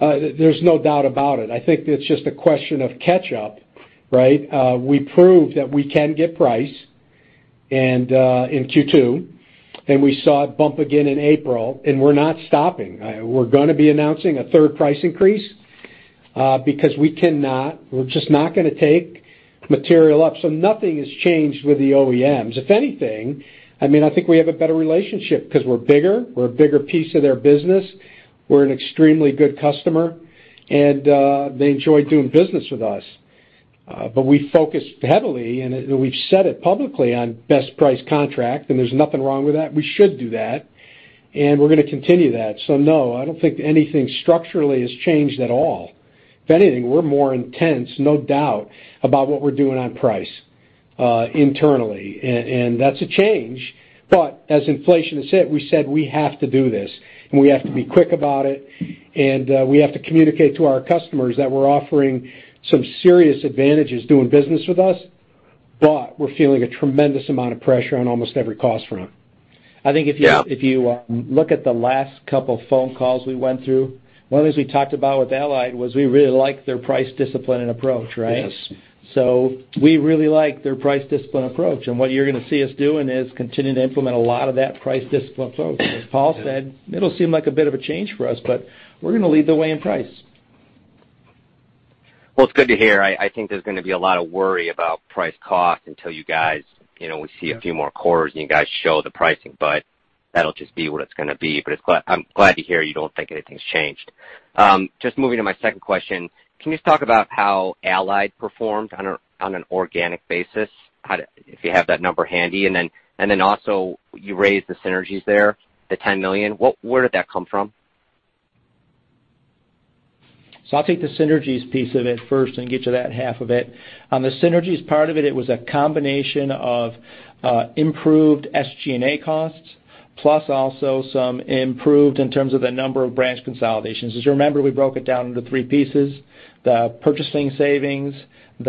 There's no doubt about it. I think it's just a question of catch up. We proved that we can get price in Q2, and we saw it bump again in April, and we're not stopping. We're going to be announcing a third price increase, because we're just not going to take material up. Nothing has changed with the OEMs. If anything, I think we have a better relationship because we're bigger, we're a bigger piece of their business. We're an extremely good customer, and they enjoy doing business with us. We focus heavily, and we've said it publicly on best price contract, and there's nothing wrong with that. We should do that, and we're going to continue that. No, I don't think anything structurally has changed at all. If anything, we're more intense, no doubt, about what we're doing on price internally. That's a change. As inflation has hit, we said we have to do this, and we have to be quick about it, and we have to communicate to our customers that we're offering some serious advantages doing business with us, but we're feeling a tremendous amount of pressure on almost every cost front. I think if you look at the last couple of phone calls we went through, one of the things we talked about with Allied was we really like their price discipline and approach, right? Yes. We really like their price discipline approach. What you're going to see us doing is continuing to implement a lot of that price discipline approach. As Paul said, it'll seem like a bit of a change for us, but we're going to lead the way in price. It's good to hear. I think there's going to be a lot of worry about price cost until we see a few more quarters and you guys show the pricing, but that'll just be what it's going to be. I'm glad to hear you don't think anything's changed. Just moving to my second question, can you just talk about how Allied performed on an organic basis, if you have that number handy? Then also, you raised the synergies there, the $10 million. Where did that come from? I'll take the synergies piece of it first and get you that half of it. On the synergies part of it was a combination of improved SG&A costs, plus also some improved in terms of the number of branch consolidations. As you remember, we broke it down into three pieces, the purchasing savings, the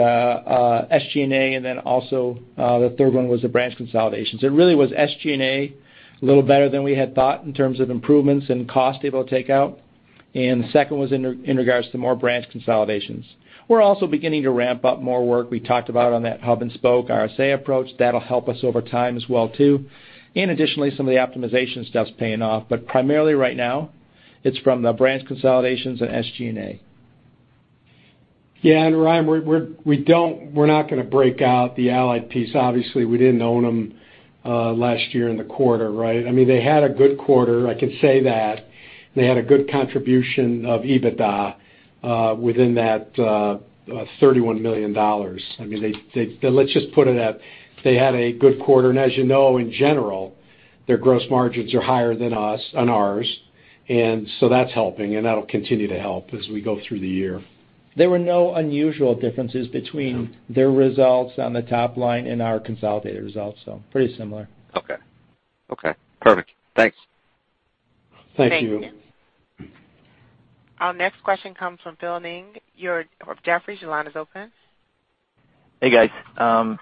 SG&A, and then also the third one was the branch consolidations. It really was SG&A, a little better than we had thought in terms of improvements and cost able to take out. The second was in regards to more branch consolidations. We're also beginning to ramp up more work. We talked about on that hub and spoke RSA approach. That'll help us over time as well, too. Additionally, some of the optimization stuff's paying off. Primarily right now, it's from the branch consolidations and SG&A. Yeah, Ryan, we're not going to break out the Allied piece. Obviously, we didn't own them last year in the quarter, right? They had a good quarter, I can say that. They had a good contribution of EBITDA within that $31 million. Let's just put it at, they had a good quarter. As you know, in general, their gross margins are higher than ours. That's helping, and that'll continue to help as we go through the year. There were no unusual differences between their results on the top line and our consolidated results. Pretty similar. Okay. Perfect. Thanks. Thank you. Thank you. Our next question comes from Phil Ng of Jefferies. Your line is open. Hey, guys. Hi, Phil.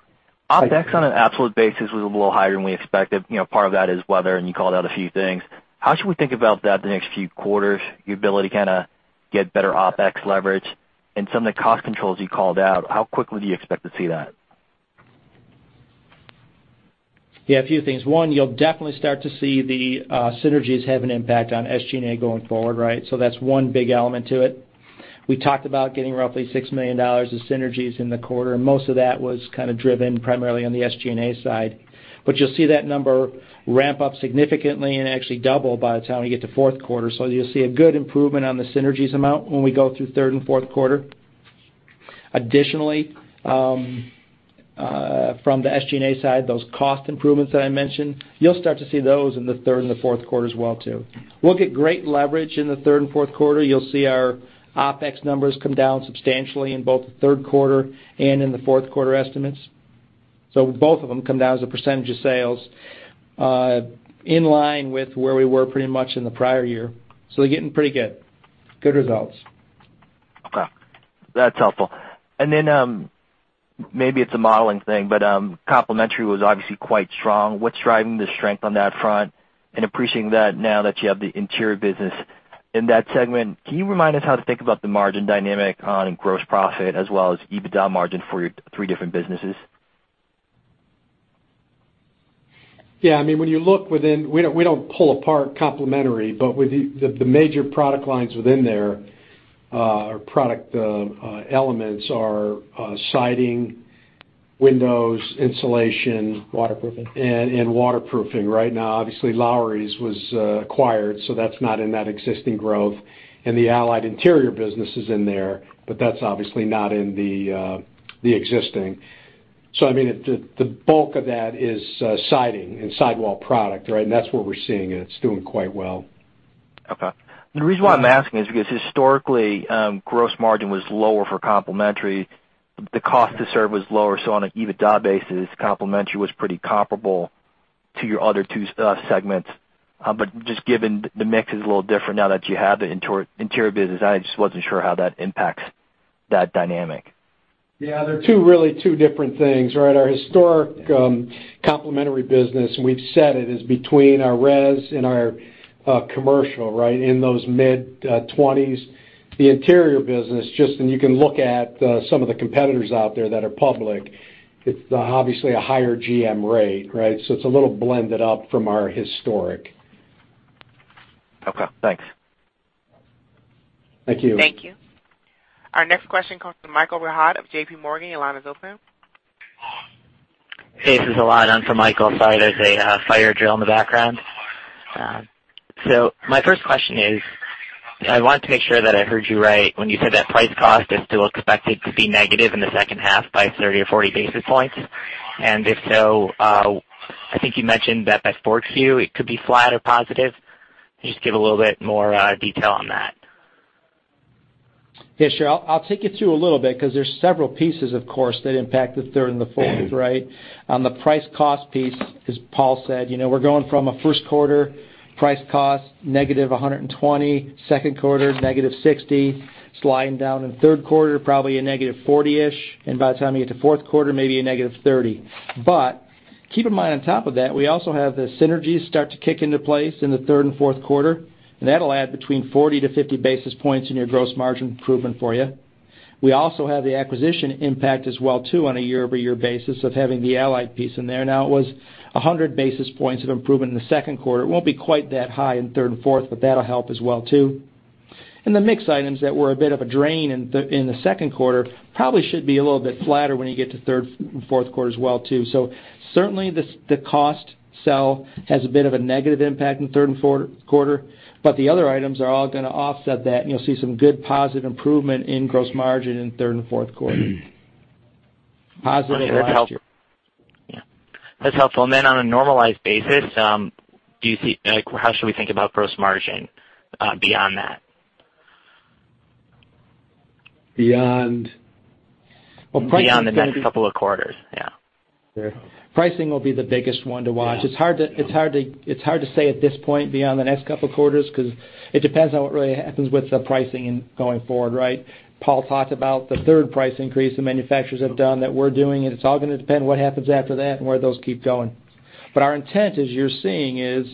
OpEx on an absolute basis was a little higher than we expected. Part of that is weather, and you called out a few things. How should we think about that the next few quarters, your ability to kind of get better OpEx leverage? Some of the cost controls you called out, how quickly do you expect to see that? Yeah, a few things. One, you'll definitely start to see the synergies have an impact on SG&A going forward, right? That's one big element to it. We talked about getting roughly $6 million of synergies in the quarter, and most of that was kind of driven primarily on the SG&A side. You'll see that number ramp up significantly and actually double by the time we get to fourth quarter. You'll see a good improvement on the synergies amount when we go through third and fourth quarter. Additionally, from the SG&A side, those cost improvements that I mentioned, you'll start to see those in the third and the fourth quarter as well, too. We'll get great leverage in the third and fourth quarter. You'll see our OpEx numbers come down substantially in both the third quarter and in the fourth quarter estimates. Both of them come down as a percentage of sales, in line with where we were pretty much in the prior year. They're getting pretty good. Good results. Okay. That's helpful. Then, maybe it's a modeling thing, complementary was obviously quite strong. What's driving the strength on that front? Appreciating that now that you have the interior business in that segment, can you remind us how to think about the margin dynamic on gross profit as well as EBITDA margin for your three different businesses? Yeah, we don't pull apart complementary, but the major product lines within there, or product elements are siding, windows, insulation- Waterproofing and waterproofing. Obviously, Lowry's was acquired, so that's not in that existing growth. The Allied interior business is in there, but that's obviously not in the existing. The bulk of that is siding and sidewall product, right? That's where we're seeing it. It's doing quite well. Okay. The reason why I'm asking is because historically, gross margin was lower for complementary. The cost to serve was lower, so on an EBITDA basis, complementary was pretty comparable to your other two segments. Just given the mix is a little different now that you have the interior business, I just wasn't sure how that impacts that dynamic. Yeah, they're really two different things, right? Our historic complementary business, and we've said it, is between our res and our commercial, right? In those mid-20s. The interior business, and you can look at some of the competitors out there that are public, it's obviously a higher GM rate, right? It's a little blended up from our historic. Okay, thanks. Thank you. Thank you. Our next question comes from Michael Rehaut of J.P. Morgan. Your line is open. Hey, this is Rehaut. I'm from Michael side. There's a fire drill in the background. My first question is, I want to make sure that I heard you right when you said that price cost is still expected to be negative in the second half by 30 or 40 basis points. If so, I think you mentioned that by fourth Q, it could be flat or positive. Can you just give a little bit more detail on that? Yeah, sure. I'll take you through a little bit because there's several pieces, of course, that impact the third and the fourth, right? On the price cost piece, as Paul said, we're going from a first quarter price cost -120, second quarter, -60, sliding down in third quarter, probably a -40-ish, and by the time you get to fourth quarter, maybe a -30. Keep in mind, on top of that, we also have the synergies start to kick into place in the third and fourth quarter, and that'll add between 40 to 50 basis points in your gross margin improvement for you. We also have the acquisition impact as well too, on a year-over-year basis of having the Allied piece in there. Now, it was 100 basis points of improvement in the second quarter. It won't be quite that high in third and fourth, but that'll help as well too. The mix items that were a bit of a drain in the second quarter probably should be a little bit flatter when you get to third and fourth quarter as well, too. Certainly, the cost sell has a bit of a negative impact in third and fourth quarter, the other items are all going to offset that, and you'll see some good positive improvement in gross margin in third and fourth quarter. Positive last year. Okay. That's helpful. Yeah. That's helpful. On a normalized basis, how should we think about gross margin beyond that? Beyond Beyond the next couple of quarters. Yeah. Pricing will be the biggest one to watch. Yeah. It's hard to say at this point beyond the next couple of quarters, because it depends on what really happens with the pricing going forward, right? Paul talked about the third price increase the manufacturers have done, that we're doing, and it's all going to depend what happens after that and where those keep going. Our intent, as you're seeing is,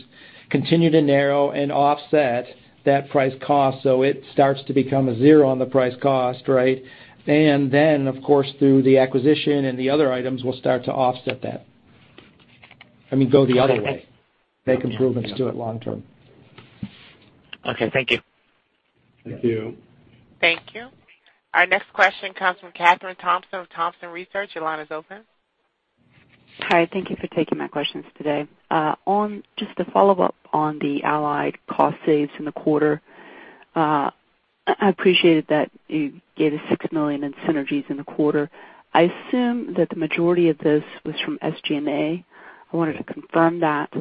continue to narrow and offset that price cost, so it starts to become a zero on the price cost, right? Of course, through the acquisition and the other items, we'll start to offset that. I mean, go the other way, make improvements, do it long term. Okay. Thank you. Thank you. Thank you. Our next question comes from Kathryn Thompson with Thompson Research. Your line is open. Hi. Thank you for taking my questions today. Just a follow-up on the Allied cost saves in the quarter. I appreciated that you gave the $6 million in synergies in the quarter. I assume that the majority of this was from SG&A. I wanted to confirm that.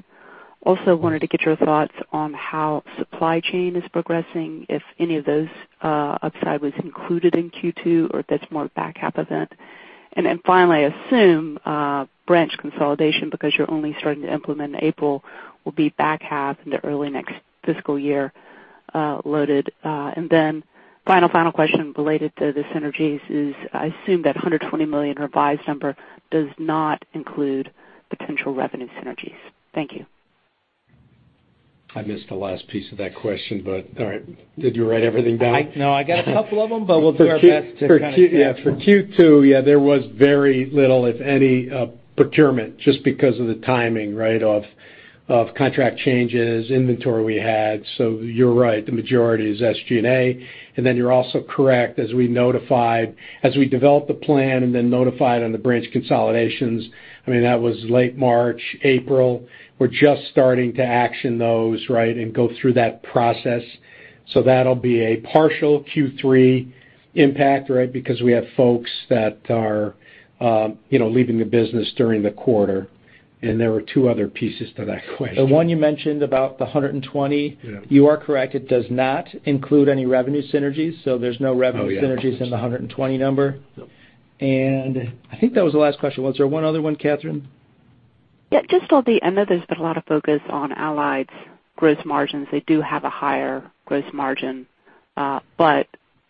Also wanted to get your thoughts on how supply chain is progressing, if any of those upside was included in Q2 or if that's more back half event. Finally, I assume branch consolidation, because you're only starting to implement in April, will be back half in the early next fiscal year, loaded. Final, final question related to the synergies is, I assume that $120 million revised number does not include potential revenue synergies. Thank you. I missed the last piece of that question, but all right. Did you write everything down? No, I got a couple of them, but we'll do our best to kind of catch them. Yeah, for Q2, yeah, there was very little, if any, procurement just because of the timing, right, of contract changes, inventory we had. You're right, the majority is SG&A. You're also correct, as we developed the plan and then notified on the branch consolidations, I mean, that was late March, April. We're just starting to action those, right, and go through that process. That'll be a partial Q3 impact, right? Because we have folks that are leaving the business during the quarter. There were two other pieces to that question. The one you mentioned about the 120- Yeah You are correct. It does not include any revenue synergies, there's no revenue synergies- Oh, yeah in the 120 number. Nope. I think that was the last question. Was there one other one, Kathryn? Yeah, just on the end of this, a lot of focus on Allied's gross margins. They do have a higher gross margin, but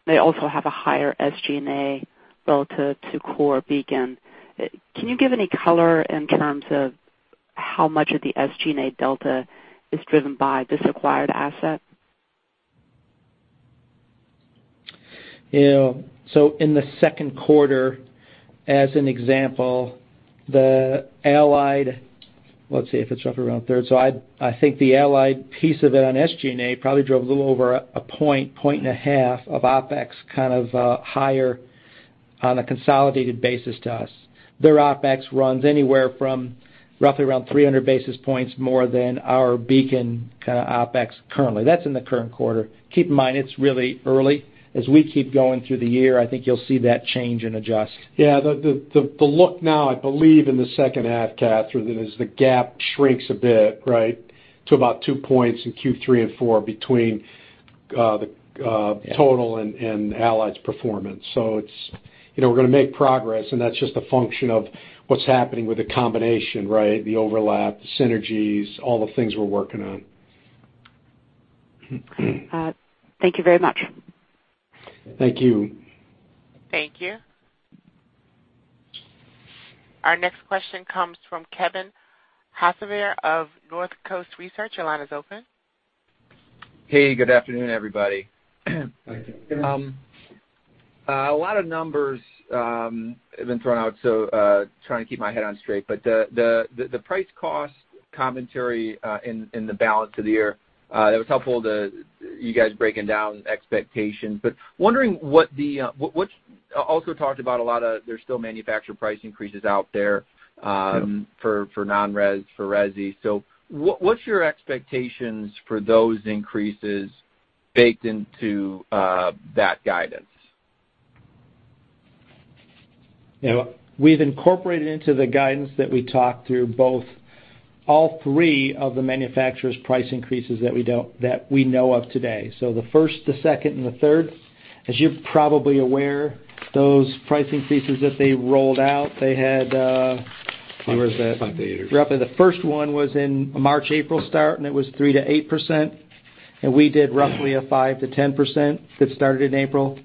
they also have a higher SG&A bill to core Beacon. Can you give any color in terms of how much of the SG&A delta is driven by this acquired asset? In the second quarter, as an example, the Allied Let's see if it's roughly around a third. I think the Allied piece of it on SG&A probably drove a little over a point and a half of OpEx, kind of, higher on a consolidated basis to us. Their OpEx runs anywhere from roughly around 300 basis points more than our Beacon kind of OpEx currently. That's in the current quarter. Keep in mind, it's really early. As we keep going through the year, I think you'll see that change and adjust. Yeah. The look now, I believe in the second half, Kathryn, is the gap shrinks a bit, right? To about two points in Q3 and 4 between the total and Allied's performance. We're going to make progress, and that's just a function of what's happening with the combination, right? The overlap, the synergies, all the things we're working on. Thank you very much. Thank you. Thank you. Our next question comes from Kevin Hocevar of Northcoast Research. Your line is open. Hey, good afternoon, everybody. Good afternoon. A lot of numbers have been thrown out, so trying to keep my head on straight. The price cost commentary in the balance of the year, it was helpful, you guys breaking down expectations. Also talked about a lot of, there's still manufacturer price increases out there- Yeah for non-res, for resi. What's your expectations for those increases baked into that guidance? We've incorporated into the guidance that we talked through both all three of the manufacturer's price increases that we know of today. The first, the second, and the third. As you're probably aware, those pricing pieces that they rolled out. roughly the first one was in March, April start, and it was 3%-8%, and we did roughly a 5%-10% that started in April.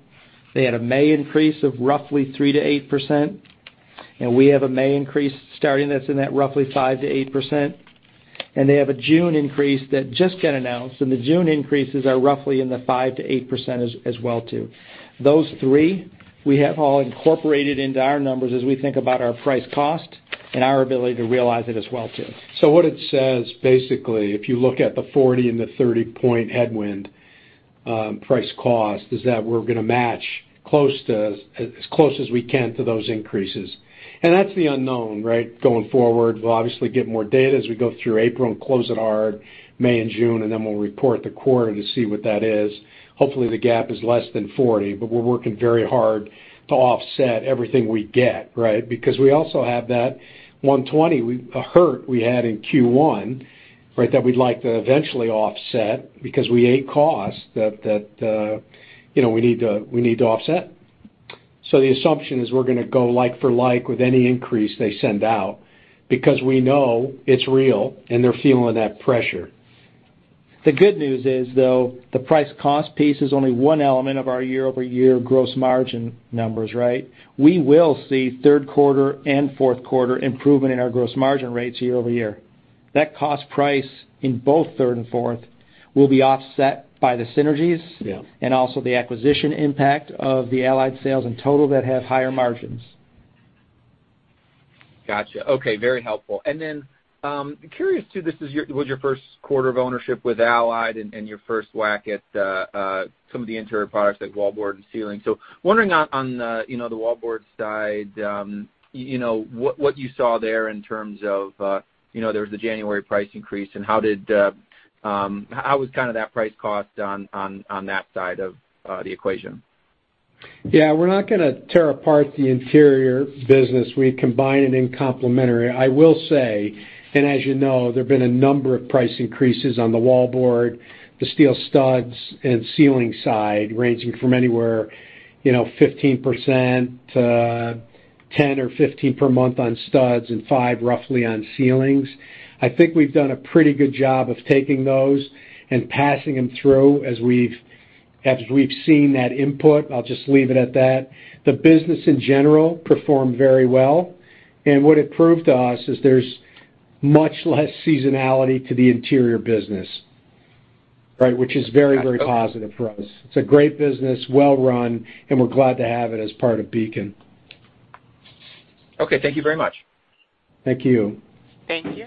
They had a May increase of roughly 3%-8%, and we have a May increase starting that's in that roughly 5%-8%. They have a June increase that just got announced, and the June increases are roughly in the 5%-8% as well, too. Those three, we have all incorporated into our numbers as we think about our price cost and our ability to realize it as well, too. What it says, basically, if you look at the 40 and the 30-point headwind price cost, is that we're going to match as close as we can to those increases. That's the unknown, right? Going forward. We'll obviously get more data as we go through April and close it hard May and June, and then we'll report the quarter to see what that is. Hopefully, the gap is less than 40, but we're working very hard to offset everything we get, right? Because we also have that 120 hurt we had in Q1, right, that we'd like to eventually offset because we ate costs that we need to offset. The assumption is we're going to go like for like with any increase they send out because we know it's real and they're feeling that pressure. The good news is, though, the price cost piece is only one element of our year-over-year gross margin numbers, right? We will see third quarter and fourth quarter improvement in our gross margin rates year-over-year. That cost price in both third and fourth will be offset by the synergies. Yeah Also the acquisition impact of the Allied sales in total that have higher margins. Got you. Okay, very helpful. Then, curious too, this was your first quarter of ownership with Allied and your first whack at some of the interior products like wallboard and ceiling. Wondering on the wallboard side, what you saw there in terms of, there was the January price increase, and how was that price cost on that side of the equation? Yeah. We're not going to tear apart the interior business. We combine it in complementary. I will say, as you know, there have been a number of price increases on the wallboard, the steel studs, and ceiling side, ranging from anywhere, 15%, 10 or 15 per month on studs, and five roughly on ceilings. I think we've done a pretty good job of taking those and passing them through as we've seen that input. I'll just leave it at that. The business in general performed very well, what it proved to us is there's much less seasonality to the interior business. Right? Which is very, very positive for us. It's a great business, well-run, and we're glad to have it as part of Beacon. Okay. Thank you very much. Thank you. Thank you.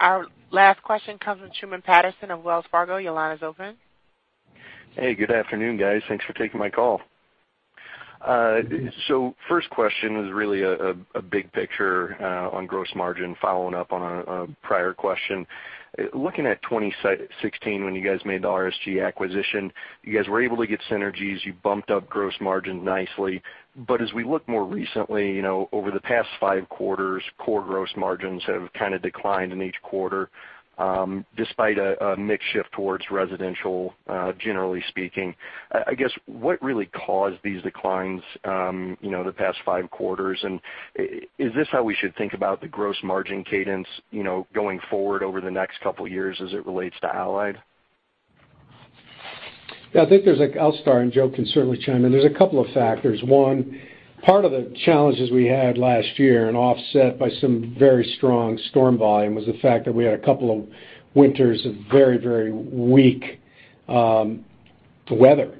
Our last question comes from Truman Patterson of Wells Fargo. Your line is open. Hey, good afternoon, guys. Thanks for taking my call. First question is really a big picture on gross margin, following up on a prior question. Looking at 2016 when you guys made the RSG acquisition, you guys were able to get synergies. You bumped up gross margin nicely. As we look more recently, over the past five quarters, core gross margins have kind of declined in each quarter, despite a mix shift towards residential, generally speaking. I guess, what really caused these declines the past five quarters, and is this how we should think about the gross margin cadence going forward over the next couple of years as it relates to Allied? Yeah. I'll start, and Joe can certainly chime in. There's a couple of factors. One, part of the challenges we had last year and offset by some very strong storm volume, was the fact that we had a couple of winters of very, very weak weather.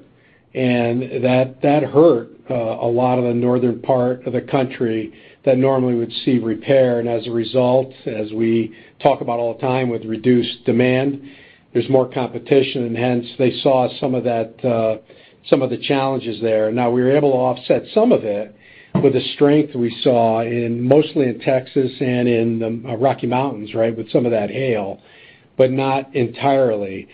That hurt a lot of the northern part of the country that normally would see repair. As a result, as we talk about all the time with reduced demand, there's more competition, and hence, they saw some of the challenges there. We were able to offset some of it with the strength we saw mostly in Texas and in the Rocky Mountains, right, with some of that hail, but not entirely.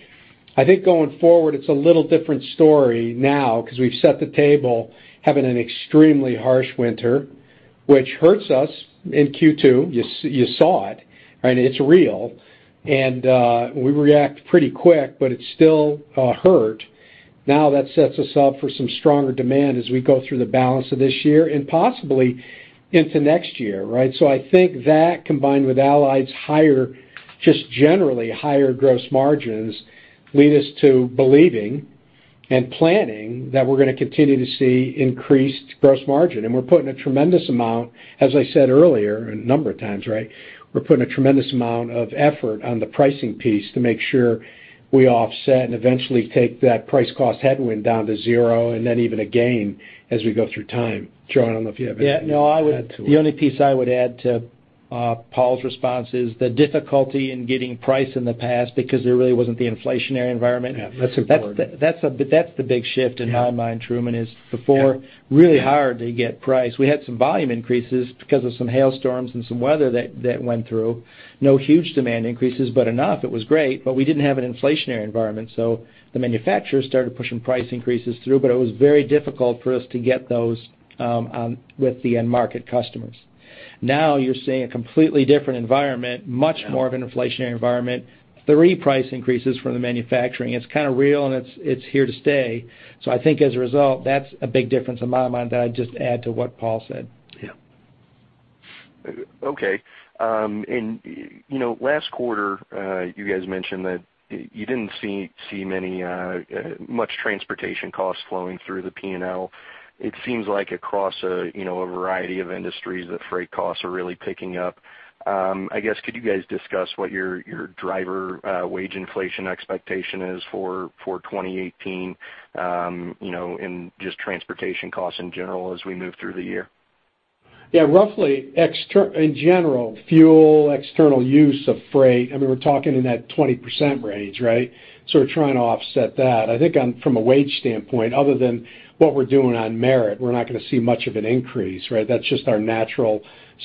I think going forward, it's a little different story now because we've set the table having an extremely harsh winter, which hurts us in Q2. You saw it, right? It's real. We react pretty quick, but it still hurt. That sets us up for some stronger demand as we go through the balance of this year and possibly into next year, right? I think that, combined with Allied's higher, just generally higher gross margins, lead us to believing and planning that we're going to continue to see increased gross margin. We're putting a tremendous amount, as I said earlier, a number of times, right? We're putting a tremendous amount of effort on the pricing piece to make sure we offset and eventually take that price cost headwind down to zero and then even again as we go through time. Joe, I don't know if you have anything to add to it. Yeah. No, the only piece I would add to Paul's response is the difficulty in getting price in the past because there really wasn't the inflationary environment. Yeah, that's important. That's the big shift in my mind, Truman, is before. Yeah Really hard to get price. We had some volume increases because of some hailstorms and some weather that went through. No huge demand increases, but enough. It was great, but we didn't have an inflationary environment, so the manufacturers started pushing price increases through, but it was very difficult for us to get those with the end market customers. You're seeing a completely different environment, much more of an inflationary environment. 3 price increases from the manufacturing. It's kind of real, and it's here to stay. I think as a result, that's a big difference in my mind that I'd just add to what Paul said. Yeah. Okay. Last quarter, you guys mentioned that you didn't see much transportation costs flowing through the P&L. It seems like across a variety of industries, the freight costs are really picking up. I guess, could you guys discuss what your driver wage inflation expectation is for 2018, and just transportation costs in general as we move through the year? Yeah, roughly, in general, fuel, external use of freight, I mean, we're talking in that 20% range, right? We're trying to offset that. I think from a wage standpoint, other than what we're doing on merit, we're not going to see much of an increase, right? That's just our natural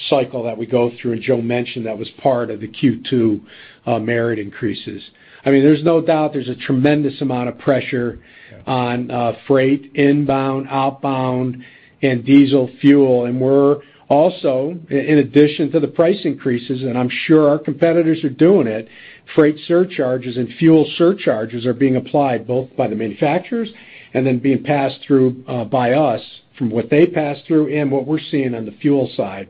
cycle that we go through, and Joe mentioned that was part of the Q2 merit increases. There's no doubt there's a tremendous amount of pressure on freight, inbound, outbound, and diesel fuel. We're also, in addition to the price increases, and I'm sure our competitors are doing it, freight surcharges and fuel surcharges are being applied both by the manufacturers and then being passed through by us from what they pass through and what we're seeing on the fuel side.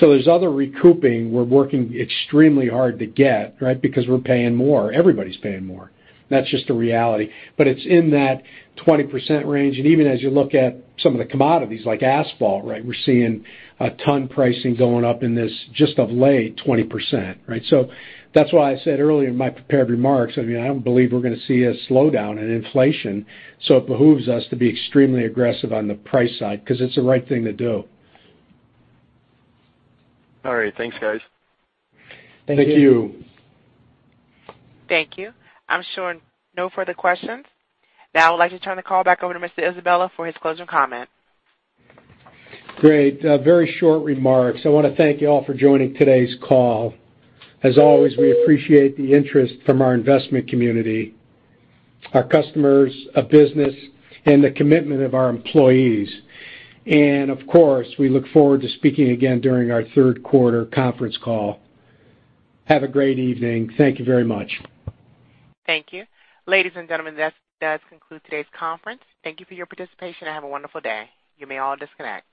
There's other recouping we're working extremely hard to get, right? Because we're paying more. Everybody's paying more. That's just a reality. It's in that 20% range, and even as you look at some of the commodities like asphalt, right, we're seeing ton pricing going up in this, just of late, 20%. Right? That's why I said earlier in my prepared remarks, I don't believe we're going to see a slowdown in inflation, so it behooves us to be extremely aggressive on the price side because it's the right thing to do. All right. Thanks, guys. Thank you. Thank you. I'm showing no further questions. Now I would like to turn the call back over to Mr. Isabella for his closing comment. Great. Very short remarks. I want to thank you all for joining today's call. As always, we appreciate the interest from our investment community, our customers of business, and the commitment of our employees. Of course, we look forward to speaking again during our third quarter conference call. Have a great evening. Thank you very much. Thank you. Ladies and gentlemen, this does conclude today's conference. Thank you for your participation and have a wonderful day. You may all disconnect.